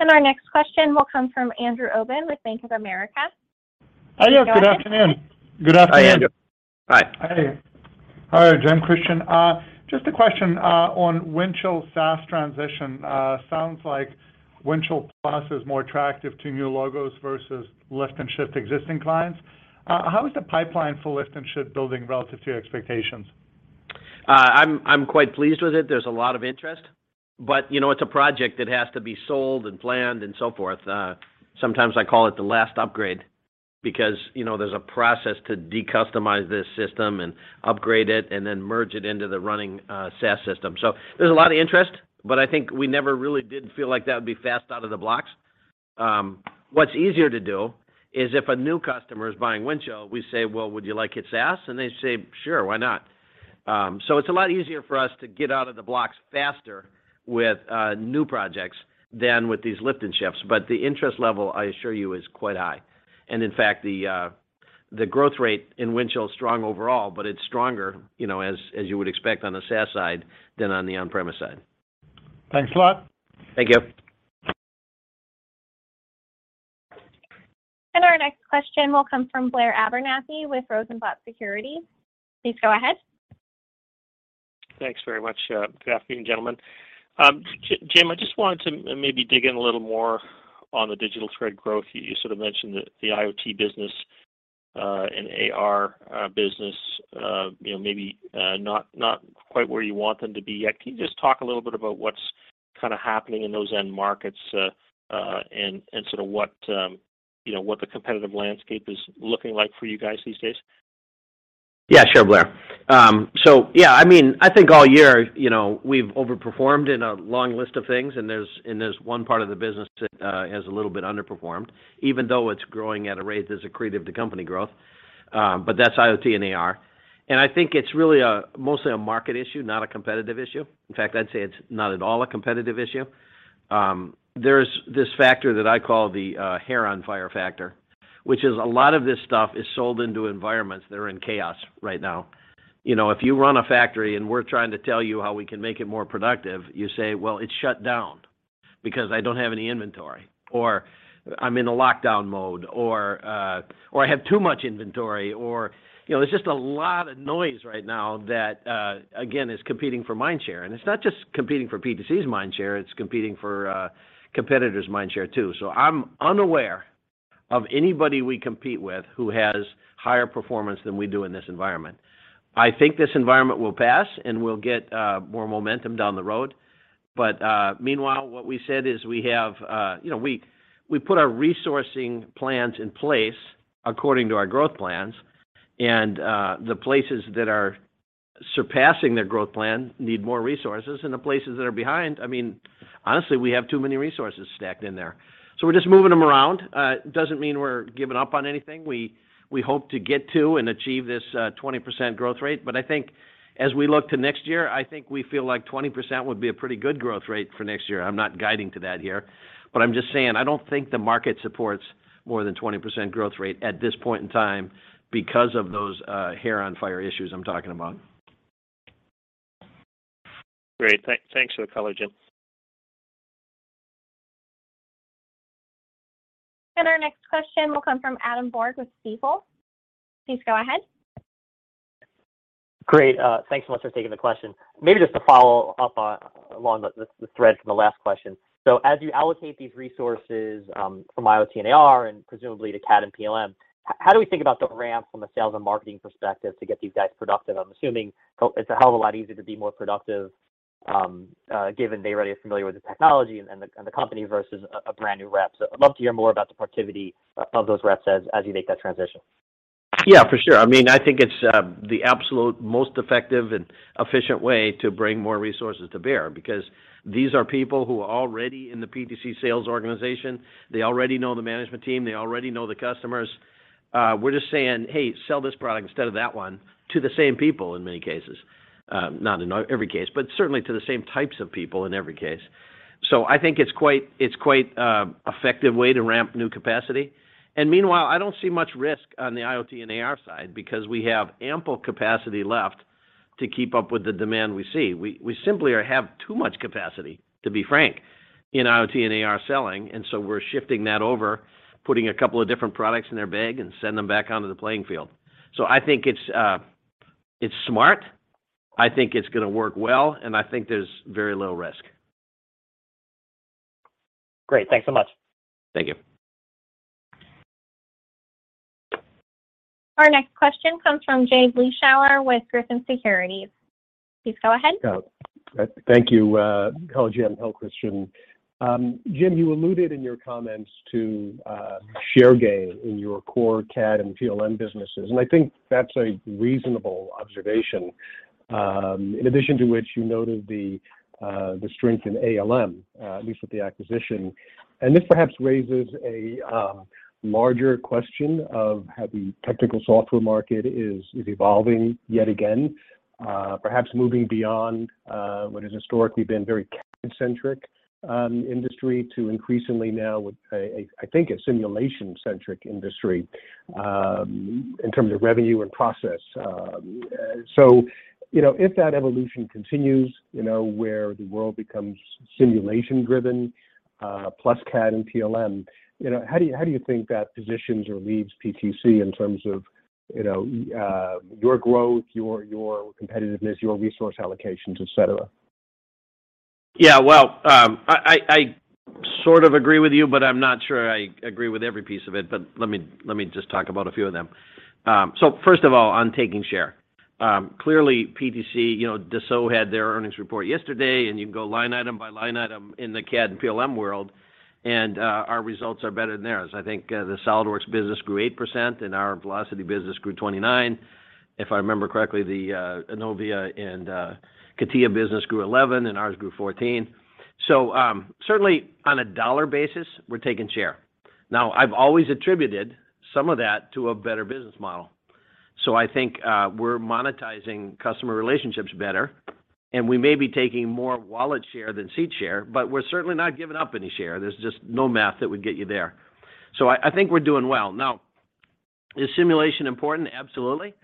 Our next question will come from Andrew Obin with Bank of America. Hi, yeah. Good afternoon. Good afternoon. Hi, Andrew. Hi. Hi. Hi, Jim, Kristian. Just a question on Windchill SaaS transition. Sounds like Windchill Plus is more attractive to new logos versus lift and shift existing clients. How is the pipeline for lift and shift building relative to your expectations? I'm quite pleased with it. There's a lot of interest, but, you know, it's a project that has to be sold and planned and so forth. Sometimes I call it the last upgrade because, you know, there's a process to de-customize this system and upgrade it and then merge it into the running SaaS system. There's a lot of interest, but I think we never really did feel like that would be fast out of the blocks. What's easier to do is if a new customer is buying Windchill, we say, "Well, would you like it SaaS?" And they say, "Sure. Why not?" It's a lot easier for us to get out of the blocks faster with new projects than with these lift and shifts. The interest level, I assure you, is quite high. In fact, the growth rate in Windchill is strong overall, but it's stronger, you know, as you would expect on the SaaS side than on the on-premise side. Thanks a lot. Thank you. Our next question will come from Blair Abernethy with Rosenblat Securities. Please go ahead. Thanks very much. Good afternoon, gentlemen. Jim, I just wanted to maybe dig in a little more on the digital thread growth. You sort of mentioned the IoT business and AR business, you know, maybe not quite where you want them to be yet. Can you just talk a little bit about what's kind of happening in those end markets and sort of what you know, what the competitive landscape is looking like for you guys these days? Yeah, sure, Blair. I mean, I think all year, you know, we've over-performed in a long list of things, and there's one part of the business that has a little bit under-performed, even though it's growing at a rate that's accretive to company growth. That's IoT and AR. I think it's really a mostly a market issue, not a competitive issue. In fact, I'd say it's not at all a competitive issue. There's this factor that I call the hair on fire factor, which is a lot of this stuff is sold into environments that are in chaos right now. You know, if you run a factory and we're trying to tell you how we can make it more productive, you say, "Well, it's shut down because I don't have any inventory," or, "I'm in a lockdown mode," or, "I have too much inventory." You know, there's just a lot of noise right now that, again, is competing for mind share. It's not just competing for PTC's mind share, it's competing for competitors' mind share, too. I'm unaware of anybody we compete with who has higher performance than we do in this environment. I think this environment will pass, and we'll get more momentum down the road. Meanwhile, what we said is we have, you know, we put our resourcing plans in place according to our growth plans, and the places that are surpassing their growth plan need more resources, and the places that are behind, I mean, honestly, we have too many resources stacked in there. So we're just moving them around. Doesn't mean we're giving up on anything. We hope to get to and achieve this 20% growth rate. I think as we look to next year, I think we feel like 20% would be a pretty good growth rate for next year. I'm not guiding to that year, but I'm just saying I don't think the market supports more than 20% growth rate at this point in time because of those hair on fire issues I'm talking about. Great. Thanks for the color, Jim. Our next question will come from Adam Borg with Stifel. Please go ahead. Great. Thanks so much for taking the question. Maybe just to follow up along the thread from the last question. As you allocate these resources from IoT and AR and presumably to CAD and PLM, how do we think about the ramp from a sales and marketing perspective to get these guys productive? I'm assuming it's a hell of a lot easier to be more productive given they already are familiar with the technology and the company versus a brand new rep. I'd love to hear more about the productivity of those reps as you make that transition. Yeah, for sure. I mean, I think it's the absolute most effective and efficient way to bring more resources to bear because these are people who are already in the PTC sales organization. They already know the management team. They already know the customers. We're just saying, "Hey, sell this product instead of that one," to the same people in many cases. Not in every case, but certainly to the same types of people in every case. So I think it's quite effective way to ramp new capacity. Meanwhile, I don't see much risk on the IoT and AR side because we have ample capacity left to keep up with the demand we see. We simply have too much capacity, to be frank, in IoT and AR selling, and so we're shifting that over, putting a couple of different products in their bag, and send them back onto the playing field. I think it's smart, I think it's gonna work well, and I think there's very little risk. Great. Thanks so much. Thank you. Our next question comes from Jay Vleeschhouwer with Griffin Securities. Please go ahead. Oh, thank you, hello Jim, hello Kristian. Jim, you alluded in your comments to share gain in your core CAD and PLM businesses, and I think that's a reasonable observation, in addition to which you noted the strength in ALM, at least with the acquisition. This perhaps raises a larger question of how the technical software market is evolving yet again, perhaps moving beyond what has historically been very CAD-centric industry to increasingly now with a, I think, a simulation-centric industry, in terms of revenue and process. You know, if that evolution continues, you know, where the world becomes simulation driven, plus CAD and PLM, you know, how do you think that positions or leaves PTC in terms of, you know, your growth, your competitiveness, your resource allocations, et cetera? Yeah, well, I sort of agree with you, but I'm not sure I agree with every piece of it, but let me just talk about a few of them. First of all, on taking share. Clearly PTC, you know, Dassault had their earnings report yesterday, and you can go line item by line item in the CAD and PLM world, and our results are better than theirs. I think the SolidWorks business grew 8% and our Velocity business grew 29%. If I remember correctly, the ENOVIA and CATIA business grew 11%, and ours grew 14%. Certainly on a dollar basis, we're taking share. Now, I've always attributed some of that to a better business model. I think we're monetizing customer relationships better, and we may be taking more wallet share than seat share, but we're certainly not giving up any share. There's just no math that would get you there. I think we're doing well. Is simulation important? Absolutely.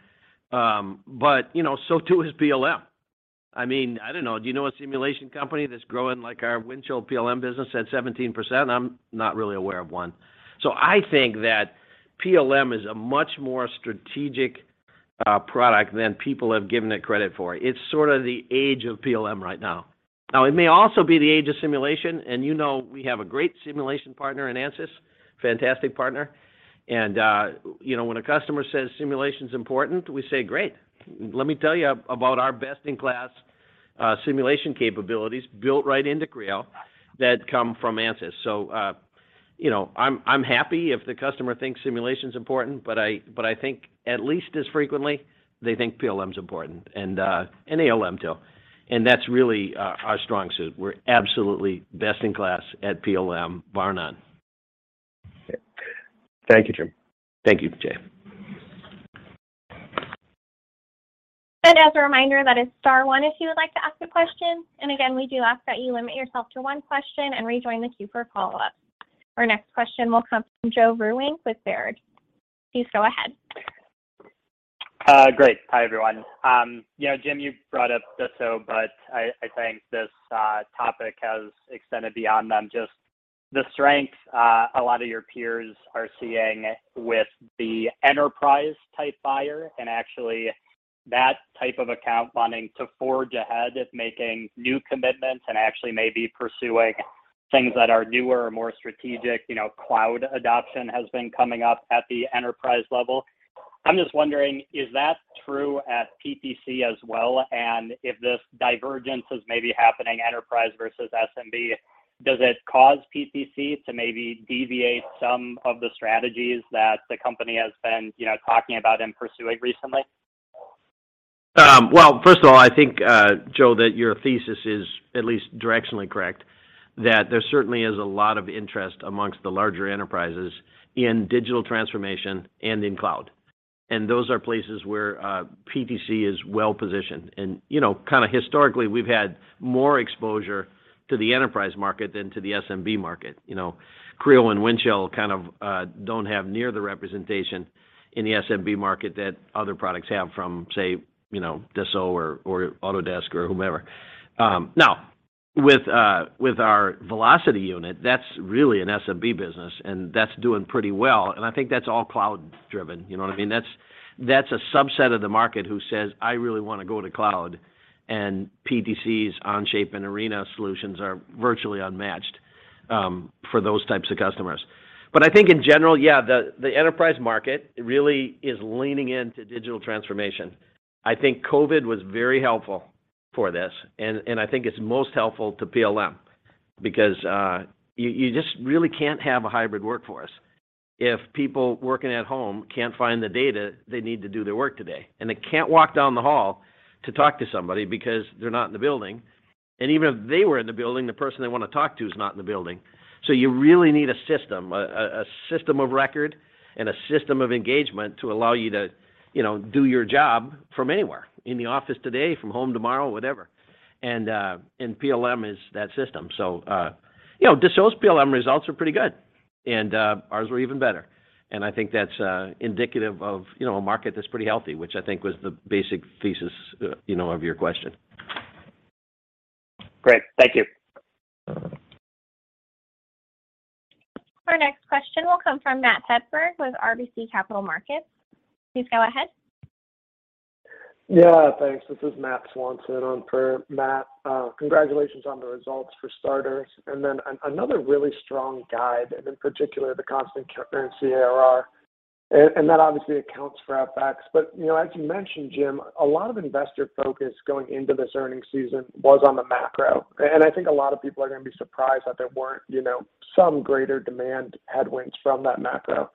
You know, so too is PLM. I mean, I don't know. Do you know a simulation company that's growing like our Windchill PLM business at 17%? I'm not really aware of one. I think that PLM is a much more strategic product than people have given it credit for. It's sort of the age of PLM right now. Now, it may also be the age of simulation, and you know we have a great simulation partner in Ansys, fantastic partner. You know, when a customer says simulation's important, we say, "Great. Let me tell you about our best-in-class simulation capabilities built right into Creo that come from Ansys." You know, I'm happy if the customer thinks simulation's important, but I think at least as frequently, they think PLM's important and ALM too, and that's really our strong suit. We're absolutely best in class at PLM, bar none. Thank you, Jim. Thank you, Jay. As a reminder, that is star one if you would like to ask a question. Again, we do ask that you limit yourself to one question and rejoin the queue for a follow-up. Our next question will come from Joe Vruwink with Baird. Please go ahead. Great. Hi, everyone. Yeah, Jim, you brought up Dassault, but I think this topic has extended beyond them. Just the strength, a lot of your peers are seeing with the enterprise-type buyer and actually that type of account wanting to forge ahead at making new commitments and actually maybe pursuing things that are newer or more strategic. You know, cloud adoption has been coming up at the enterprise level. I'm just wondering, is that true at PTC as well? If this divergence is maybe happening, enterprise versus SMB, does it cause PTC to maybe deviate some of the strategies that the company has been, you know, talking about and pursuing recently? Well, first of all, I think, Joe, that your thesis is at least directionally correct, that there certainly is a lot of interest amongst the larger enterprises in digital transformation and in cloud. Those are places where PTC is well-positioned. You know, kind of historically, we've had more exposure to the enterprise market than to the SMB market. You know, Creo and Windchill kind of don't have near the representation in the SMB market that other products have from, say, you know, Dassault or Autodesk or whomever. Now, with our Velocity unit, that's really an SMB business, and that's doing pretty well, and I think that's all cloud driven. You know what I mean? That's a subset of the market who says, "I really wanna go to cloud," and PTC's Onshape and Arena solutions are virtually unmatched for those types of customers. I think in general, yeah, the enterprise market really is leaning into digital transformation. I think COVID was very helpful for this. I think it's most helpful to PLM. Because you just really can't have a hybrid workforce if people working at home can't find the data they need to do their work today. They can't walk down the hall to talk to somebody because they're not in the building. Even if they were in the building, the person they wanna talk to is not in the building. You really need a system of record and a system of engagement to allow you to, you know, do your job from anywhere. In the office today, from home tomorrow, whatever. PLM is that system. You know, Dassault's PLM results are pretty good, and ours were even better. I think that's indicative of, you know, a market that's pretty healthy, which I think was the basic thesis, you know, of your question. Great. Thank you. Our next question will come from Matt Hedberg with RBC Capital Markets. Please go ahead. Yeah, thanks. This is Matthew Swanson on for Matt. Congratulations on the results for starters, and then another really strong guide, and in particular, the constant currency ARR. And that obviously accounts for FX. You know, as you mentioned, Jim, a lot of investor focus going into this earnings season was on the macro. I think a lot of people are gonna be surprised that there weren't, you know, some greater demand headwinds from that macro.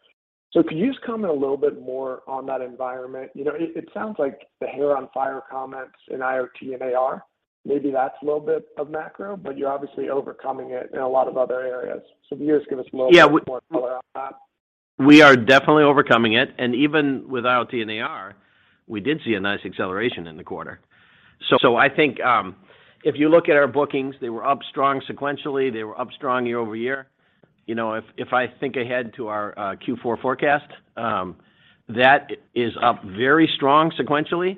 Can you just comment a little bit more on that environment? You know, it sounds like the hair on fire comments in IoT and AR, maybe that's a little bit of macro, but you're obviously overcoming it in a lot of other areas. Can you just give us a little bit more color on that? We are definitely overcoming it. Even with IoT and AR, we did see a nice acceleration in the quarter. I think, if you look at our bookings, they were up strong sequentially, they were up strong year over year. You know, if I think ahead to our Q4 forecast, that is up very strong sequentially.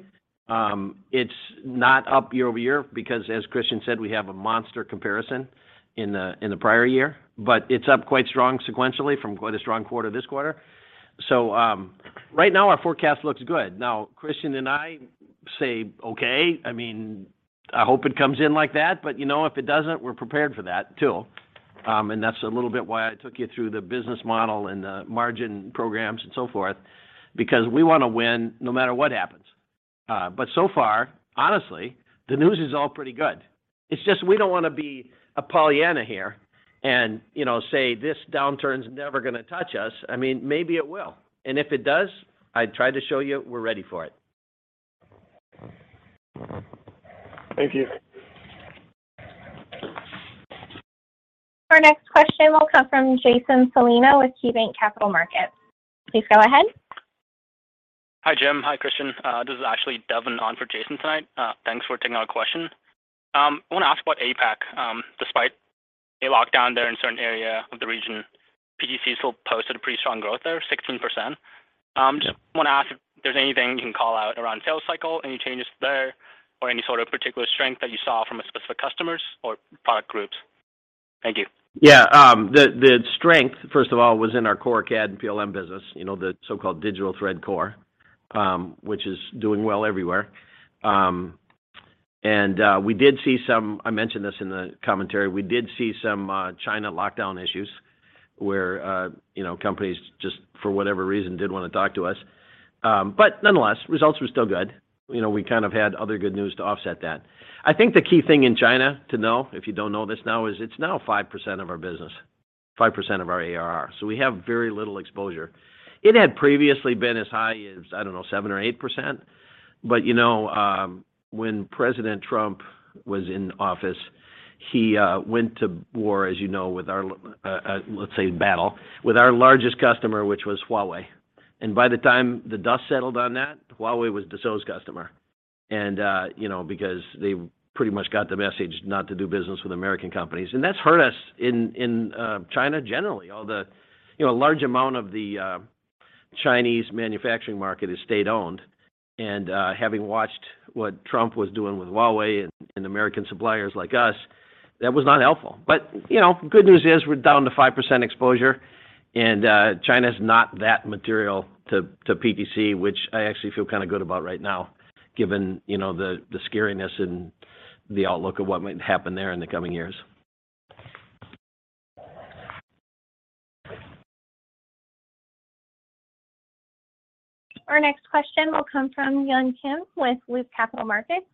It's not up year over year because, as Kristian said, we have a monster comparison in the prior year. It's up quite strong sequentially from quite a strong quarter this quarter. Right now, our forecast looks good. Now, Kristian and I say, okay. I mean, I hope it comes in like that. You know, if it doesn't, we're prepared for that too. That's a little bit why I took you through the business model and the margin programs and so forth, because we wanna win no matter what happens. So far, honestly, the news is all pretty good. It's just we don't wanna be a Pollyanna here and, you know, say, "This downturn's never gonna touch us." I mean, maybe it will. If it does, I tried to show you we're ready for it. Thank you. Our next question will come from Jason Celino with KeyBanc Capital Markets. Please go ahead. Hi, Jim. Hi, Kristian. This is actually Devin on for Jason tonight. Thanks for taking our question. I wanna ask about APAC. Despite a lockdown there in a certain area of the region, PTC still posted a pretty strong growth there, 16%. Just wanna ask if there's anything you can call out around sales cycle, any changes there, or any sort of particular strength that you saw from specific customers or product groups. Thank you. Yeah. The strength, first of all, was in our core CAD and PLM business, you know, the so-called digital thread core, which is doing well everywhere. I mentioned this in the commentary. We did see some China lockdown issues where, you know, companies just for whatever reason, didn't wanna talk to us. Nonetheless, results were still good. You know, we kind of had other good news to offset that. I think the key thing in China to know, if you don't know this now, is it's now 5% of our business, 5% of our ARR, so we have very little exposure. It had previously been as high as, I don't know, 7% or 8%. You know, when President Trump was in office, he went to war, as you know, with our largest customer, which was Huawei. By the time the dust settled on that, Huawei was Dassault's customer. You know, because they pretty much got the message not to do business with American companies. That's hurt us in China generally. You know, a large amount of the Chinese manufacturing market is state-owned. Having watched what Trump was doing with Huawei and American suppliers like us, that was not helpful. You know, good news is we're down to 5% exposure, and China's not that material to PTC, which I actually feel kind of good about right now, given, you know, the scariness and the outlook of what might happen there in the coming years. Our next question will come from Yun Kim with Loop Capital Markets.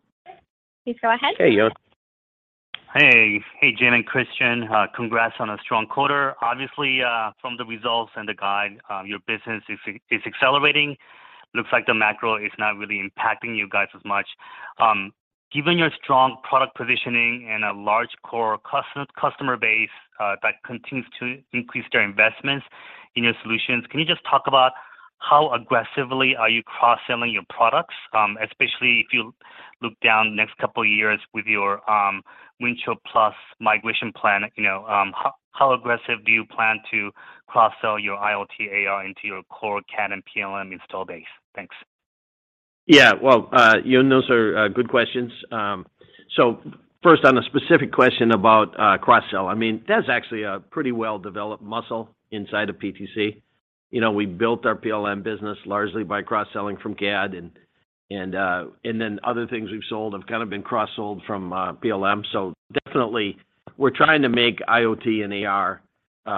Please go ahead. Hey, Yun. Hey. Hey, Jim and Kristian. Congrats on a strong quarter. Obviously, from the results and the guide, your business is accelerating. Looks like the macro is not really impacting you guys as much. Given your strong product positioning and a large core customer base, that continues to increase their investments in your solutions, can you just talk about how aggressively are you cross-selling your products? Especially if you look down the next couple of years with your Windchill+ migration plan, you know, how aggressive do you plan to cross-sell your IoT AR into your core CAD and PLM install base? Thanks. Yeah. Well, Yun, those are good questions. First, on the specific question about cross-sell, I mean, that's actually a pretty well-developed muscle inside of PTC. You know, we built our PLM business largely by cross-selling from CAD and then other things we've sold have kind of been cross-sold from PLM. Definitely we're trying to make IoT and AR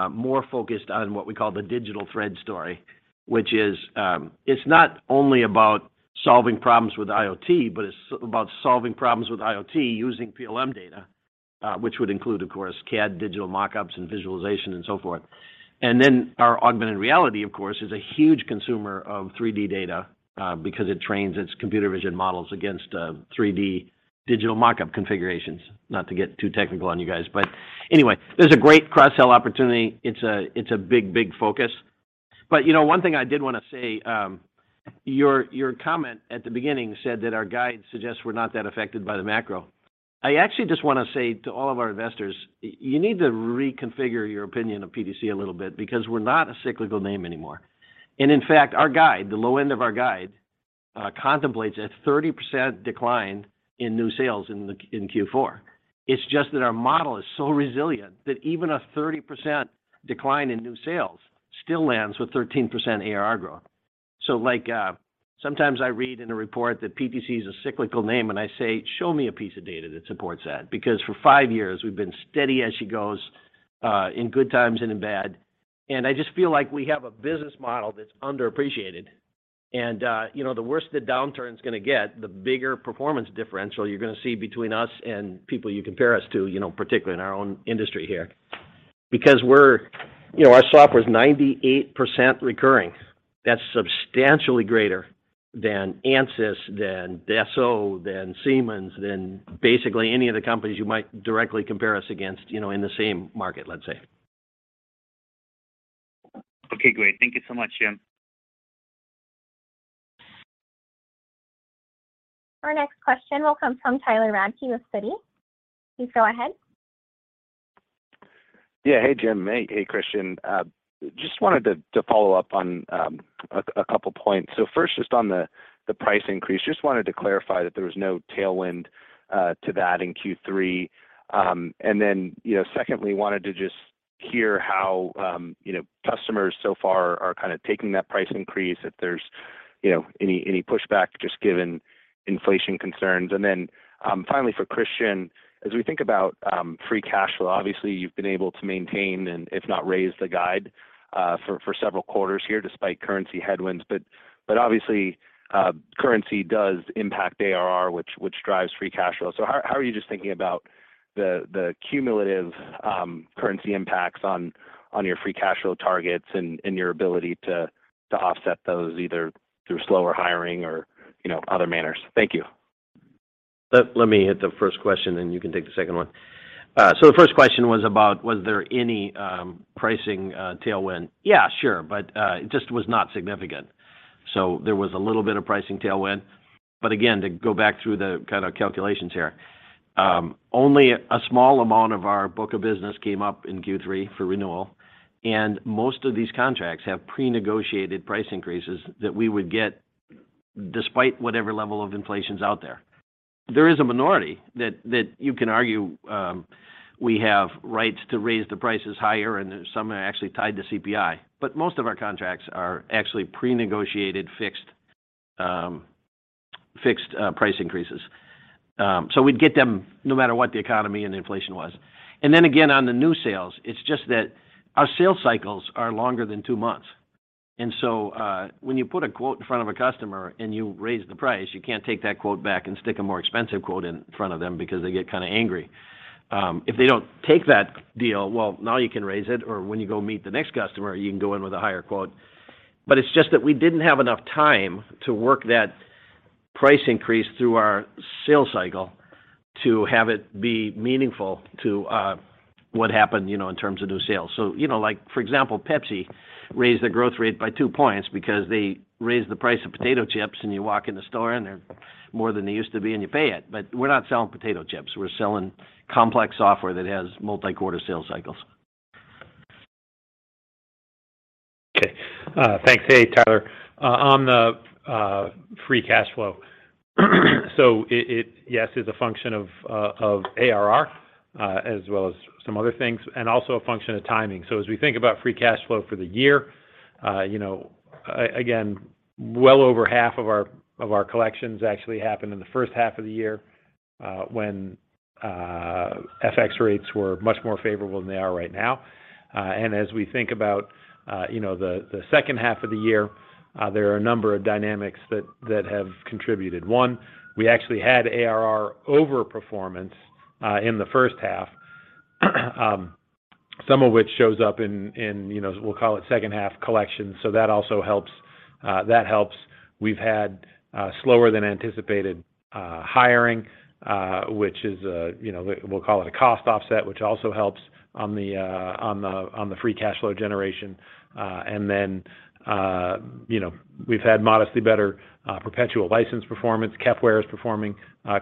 more focused on what we call the digital thread story, which is, it's not only about solving problems with IoT, but it's about solving problems with IoT using PLM data, which would include, of course, CAD, digital mock-ups, and visualization, and so forth. Then our augmented reality, of course, is a huge consumer of 3D data, because it trains its computer vision models against 3D digital mock-up configurations. Not to get too technical on you guys, but anyway, there's a great cross-sell opportunity. It's a big focus. You know, one thing I did wanna say, your comment at the beginning said that our guide suggests we're not that affected by the macro. I actually just wanna say to all of our investors, you need to reconfigure your opinion of PTC a little bit because we're not a cyclical name anymore. In fact, our guide, the low end of our guide, contemplates a 30% decline in new sales in Q4. It's just that our model is so resilient that even a 30% decline in new sales still lands with 13% ARR growth. Like, sometimes I read in a report that PTC is a cyclical name, and I say, "Show me a piece of data that supports that." Because for five years, we've been steady as she goes, in good times and in bad. I just feel like we have a business model that's underappreciated. You know, the worse the downturn's gonna get, the bigger performance differential you're gonna see between us and people you compare us to, you know, particularly in our own industry here. Because you know, our software is 98% recurring. That's substantially greater than Ansys, than Dassault, than Siemens, than basically any of the companies you might directly compare us against, you know, in the same market, let's say. Okay, great. Thank you so much, Jim. Our next question will come from Tyler Radke with Citi. Please go ahead. Yeah. Hey, Jim. Hey, Kristian. Just wanted to follow up on a couple points. First, just on the price increase, just wanted to clarify that there was no tailwind to that in Q3. You know, secondly, wanted to just hear how you know, customers so far are kind of taking that price increase, if there's you know, any pushback just given inflation concerns. Then, finally, for Kristian, as we think about free cash flow, obviously you've been able to maintain and if not raise the guide for several quarters here despite currency headwinds. Obviously, currency does impact ARR, which drives free cash flow. How are you just thinking about the cumulative currency impacts on your free cash flow targets and your ability to offset those either through slower hiring or, you know, other manners? Thank you. Let me hit the first question, then you can take the second one. The first question was about whether there was any pricing tailwind? Yeah, sure, but it just was not significant. There was a little bit of pricing tailwind. Again, to go back through the kind of calculations here, only a small amount of our book of business came up in Q3 for renewal, and most of these contracts have pre-negotiated price increases that we would get despite whatever level of inflation's out there. There is a minority that you can argue we have rights to raise the prices higher, and some are actually tied to CPI. Most of our contracts are actually pre-negotiated fixed price increases. We'd get them no matter what the economy and inflation was. Then again, on the new sales, it's just that our sales cycles are longer than two months. When you put a quote in front of a customer and you raise the price, you can't take that quote back and stick a more expensive quote in front of them because they get kinda angry. If they don't take that deal, well, now you can raise it, or when you go meet the next customer, you can go in with a higher quote. It's just that we didn't have enough time to work that price increase through our sales cycle to have it be meaningful to what happened, you know, in terms of new sales. You know, like for example, PepsiCo raised their growth rate by two points because they raised the price of potato chips, and you walk in the store, and they're more than they used to be, and you pay it. We're not selling potato chips. We're selling complex software that has multi-quarter sales cycles. Okay. Thanks. Hey, Tyler. On the free cash flow. It is a function of ARR as well as some other things, and also a function of timing. As we think about free cash flow for the year, you know, again, well over half of our collections actually happened in the first half of the year, when FX rates were much more favorable than they are right now. As we think about you know the second half of the year, there are a number of dynamics that have contributed. One, we actually had ARR over-performance in the first half, some of which shows up in you know we'll call it second half collections. That also helps. That helps. We've had slower than anticipated hiring, which is, you know, we'll call it a cost offset, which also helps on the free cash flow generation. And then, you know, we've had modestly better perpetual license performance. Kepware is performing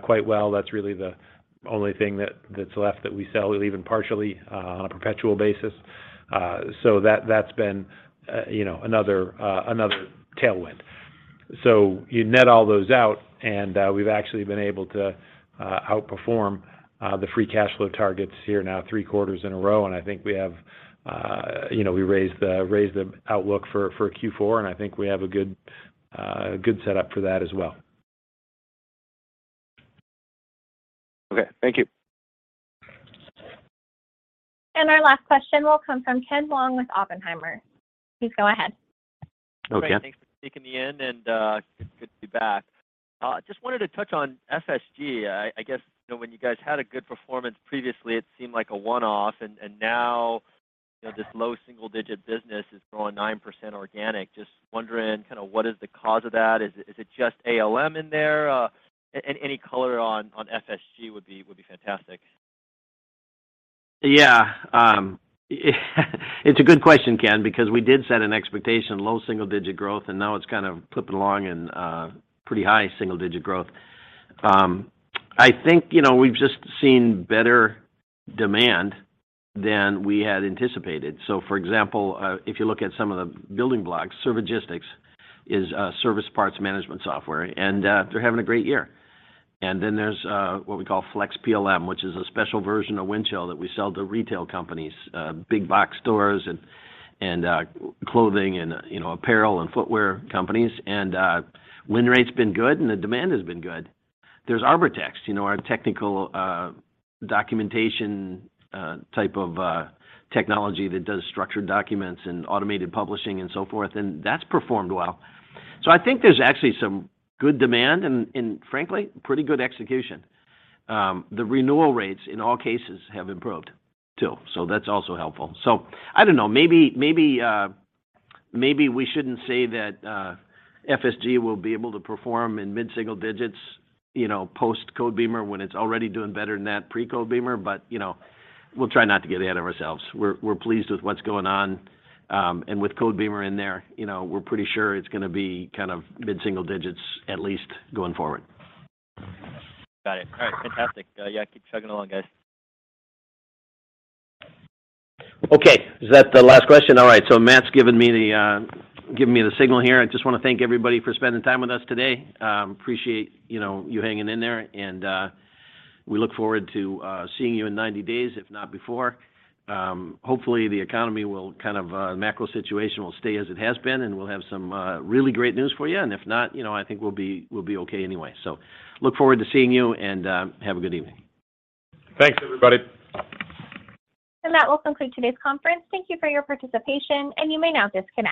quite well. That's really the only thing that's left that we sell even partially on a perpetual basis. So that that's been, you know, another tailwind. You net all those out, and we've actually been able to outperform the free cash flow targets here now three quarters in a row. I think we have, you know, we raised the outlook for Q4, and I think we have a good set up for that as well. Okay, thank you. Our last question will come from Ken Wong with Oppenheimer. Please go ahead. Okay. Great. Thanks for sneaking me in, and it's good to be back. Just wanted to touch on FSG. I guess, you know, when you guys had a good performance previously, it seemed like a one-off and now, you know, this low single digit business is growing 9% organic. Just wondering kind of what is the cause of that? Is it just ALM in there? Any color on FSG would be fantastic. Yeah, it's a good question, Ken, because we did set an expectation of low single digit growth, and now it's kind of clipping along in pretty high single digit growth. I think, you know, we've just seen better demand than we had anticipated. For example, if you look at some of the building blocks, Servigistics is a service parts management software, and they're having a great year. There's what we call FlexPLM, which is a special version of Windchill that we sell to retail companies, big box stores and clothing and, you know, apparel and footwear companies. Win rate's been good and the demand has been good. There's Arbortext, you know, our technical documentation type of technology that does structured documents and automated publishing and so forth, and that's performed well. I think there's actually some good demand and frankly, pretty good execution. The renewal rates in all cases have improved, too, so that's also helpful. I don't know. Maybe we shouldn't say that FSG will be able to perform in mid-single digits, you know, post-Codebeamer when it's already doing better than that pre-Codebeamer. But, you know, we'll try not to get ahead of ourselves. We're pleased with what's going on. With Codebeamer in there, you know, we're pretty sure it's gonna be kind of mid-single digits at least going forward. Got it. All right. Fantastic. Yeah, keep chugging along, guys. Okay. Is that the last question? All right. Matt's given me the signal here. I just wanna thank everybody for spending time with us today. Appreciate, you know, you hanging in there and we look forward to seeing you in 90 days, if not before. Hopefully the economy will kind of macro situation will stay as it has been, and we'll have some really great news for you. If not, you know, I think we'll be okay anyway. Look forward to seeing you and have a good evening. Thanks, everybody. That will conclude today's conference. Thank you for your participation, and you may now disconnect.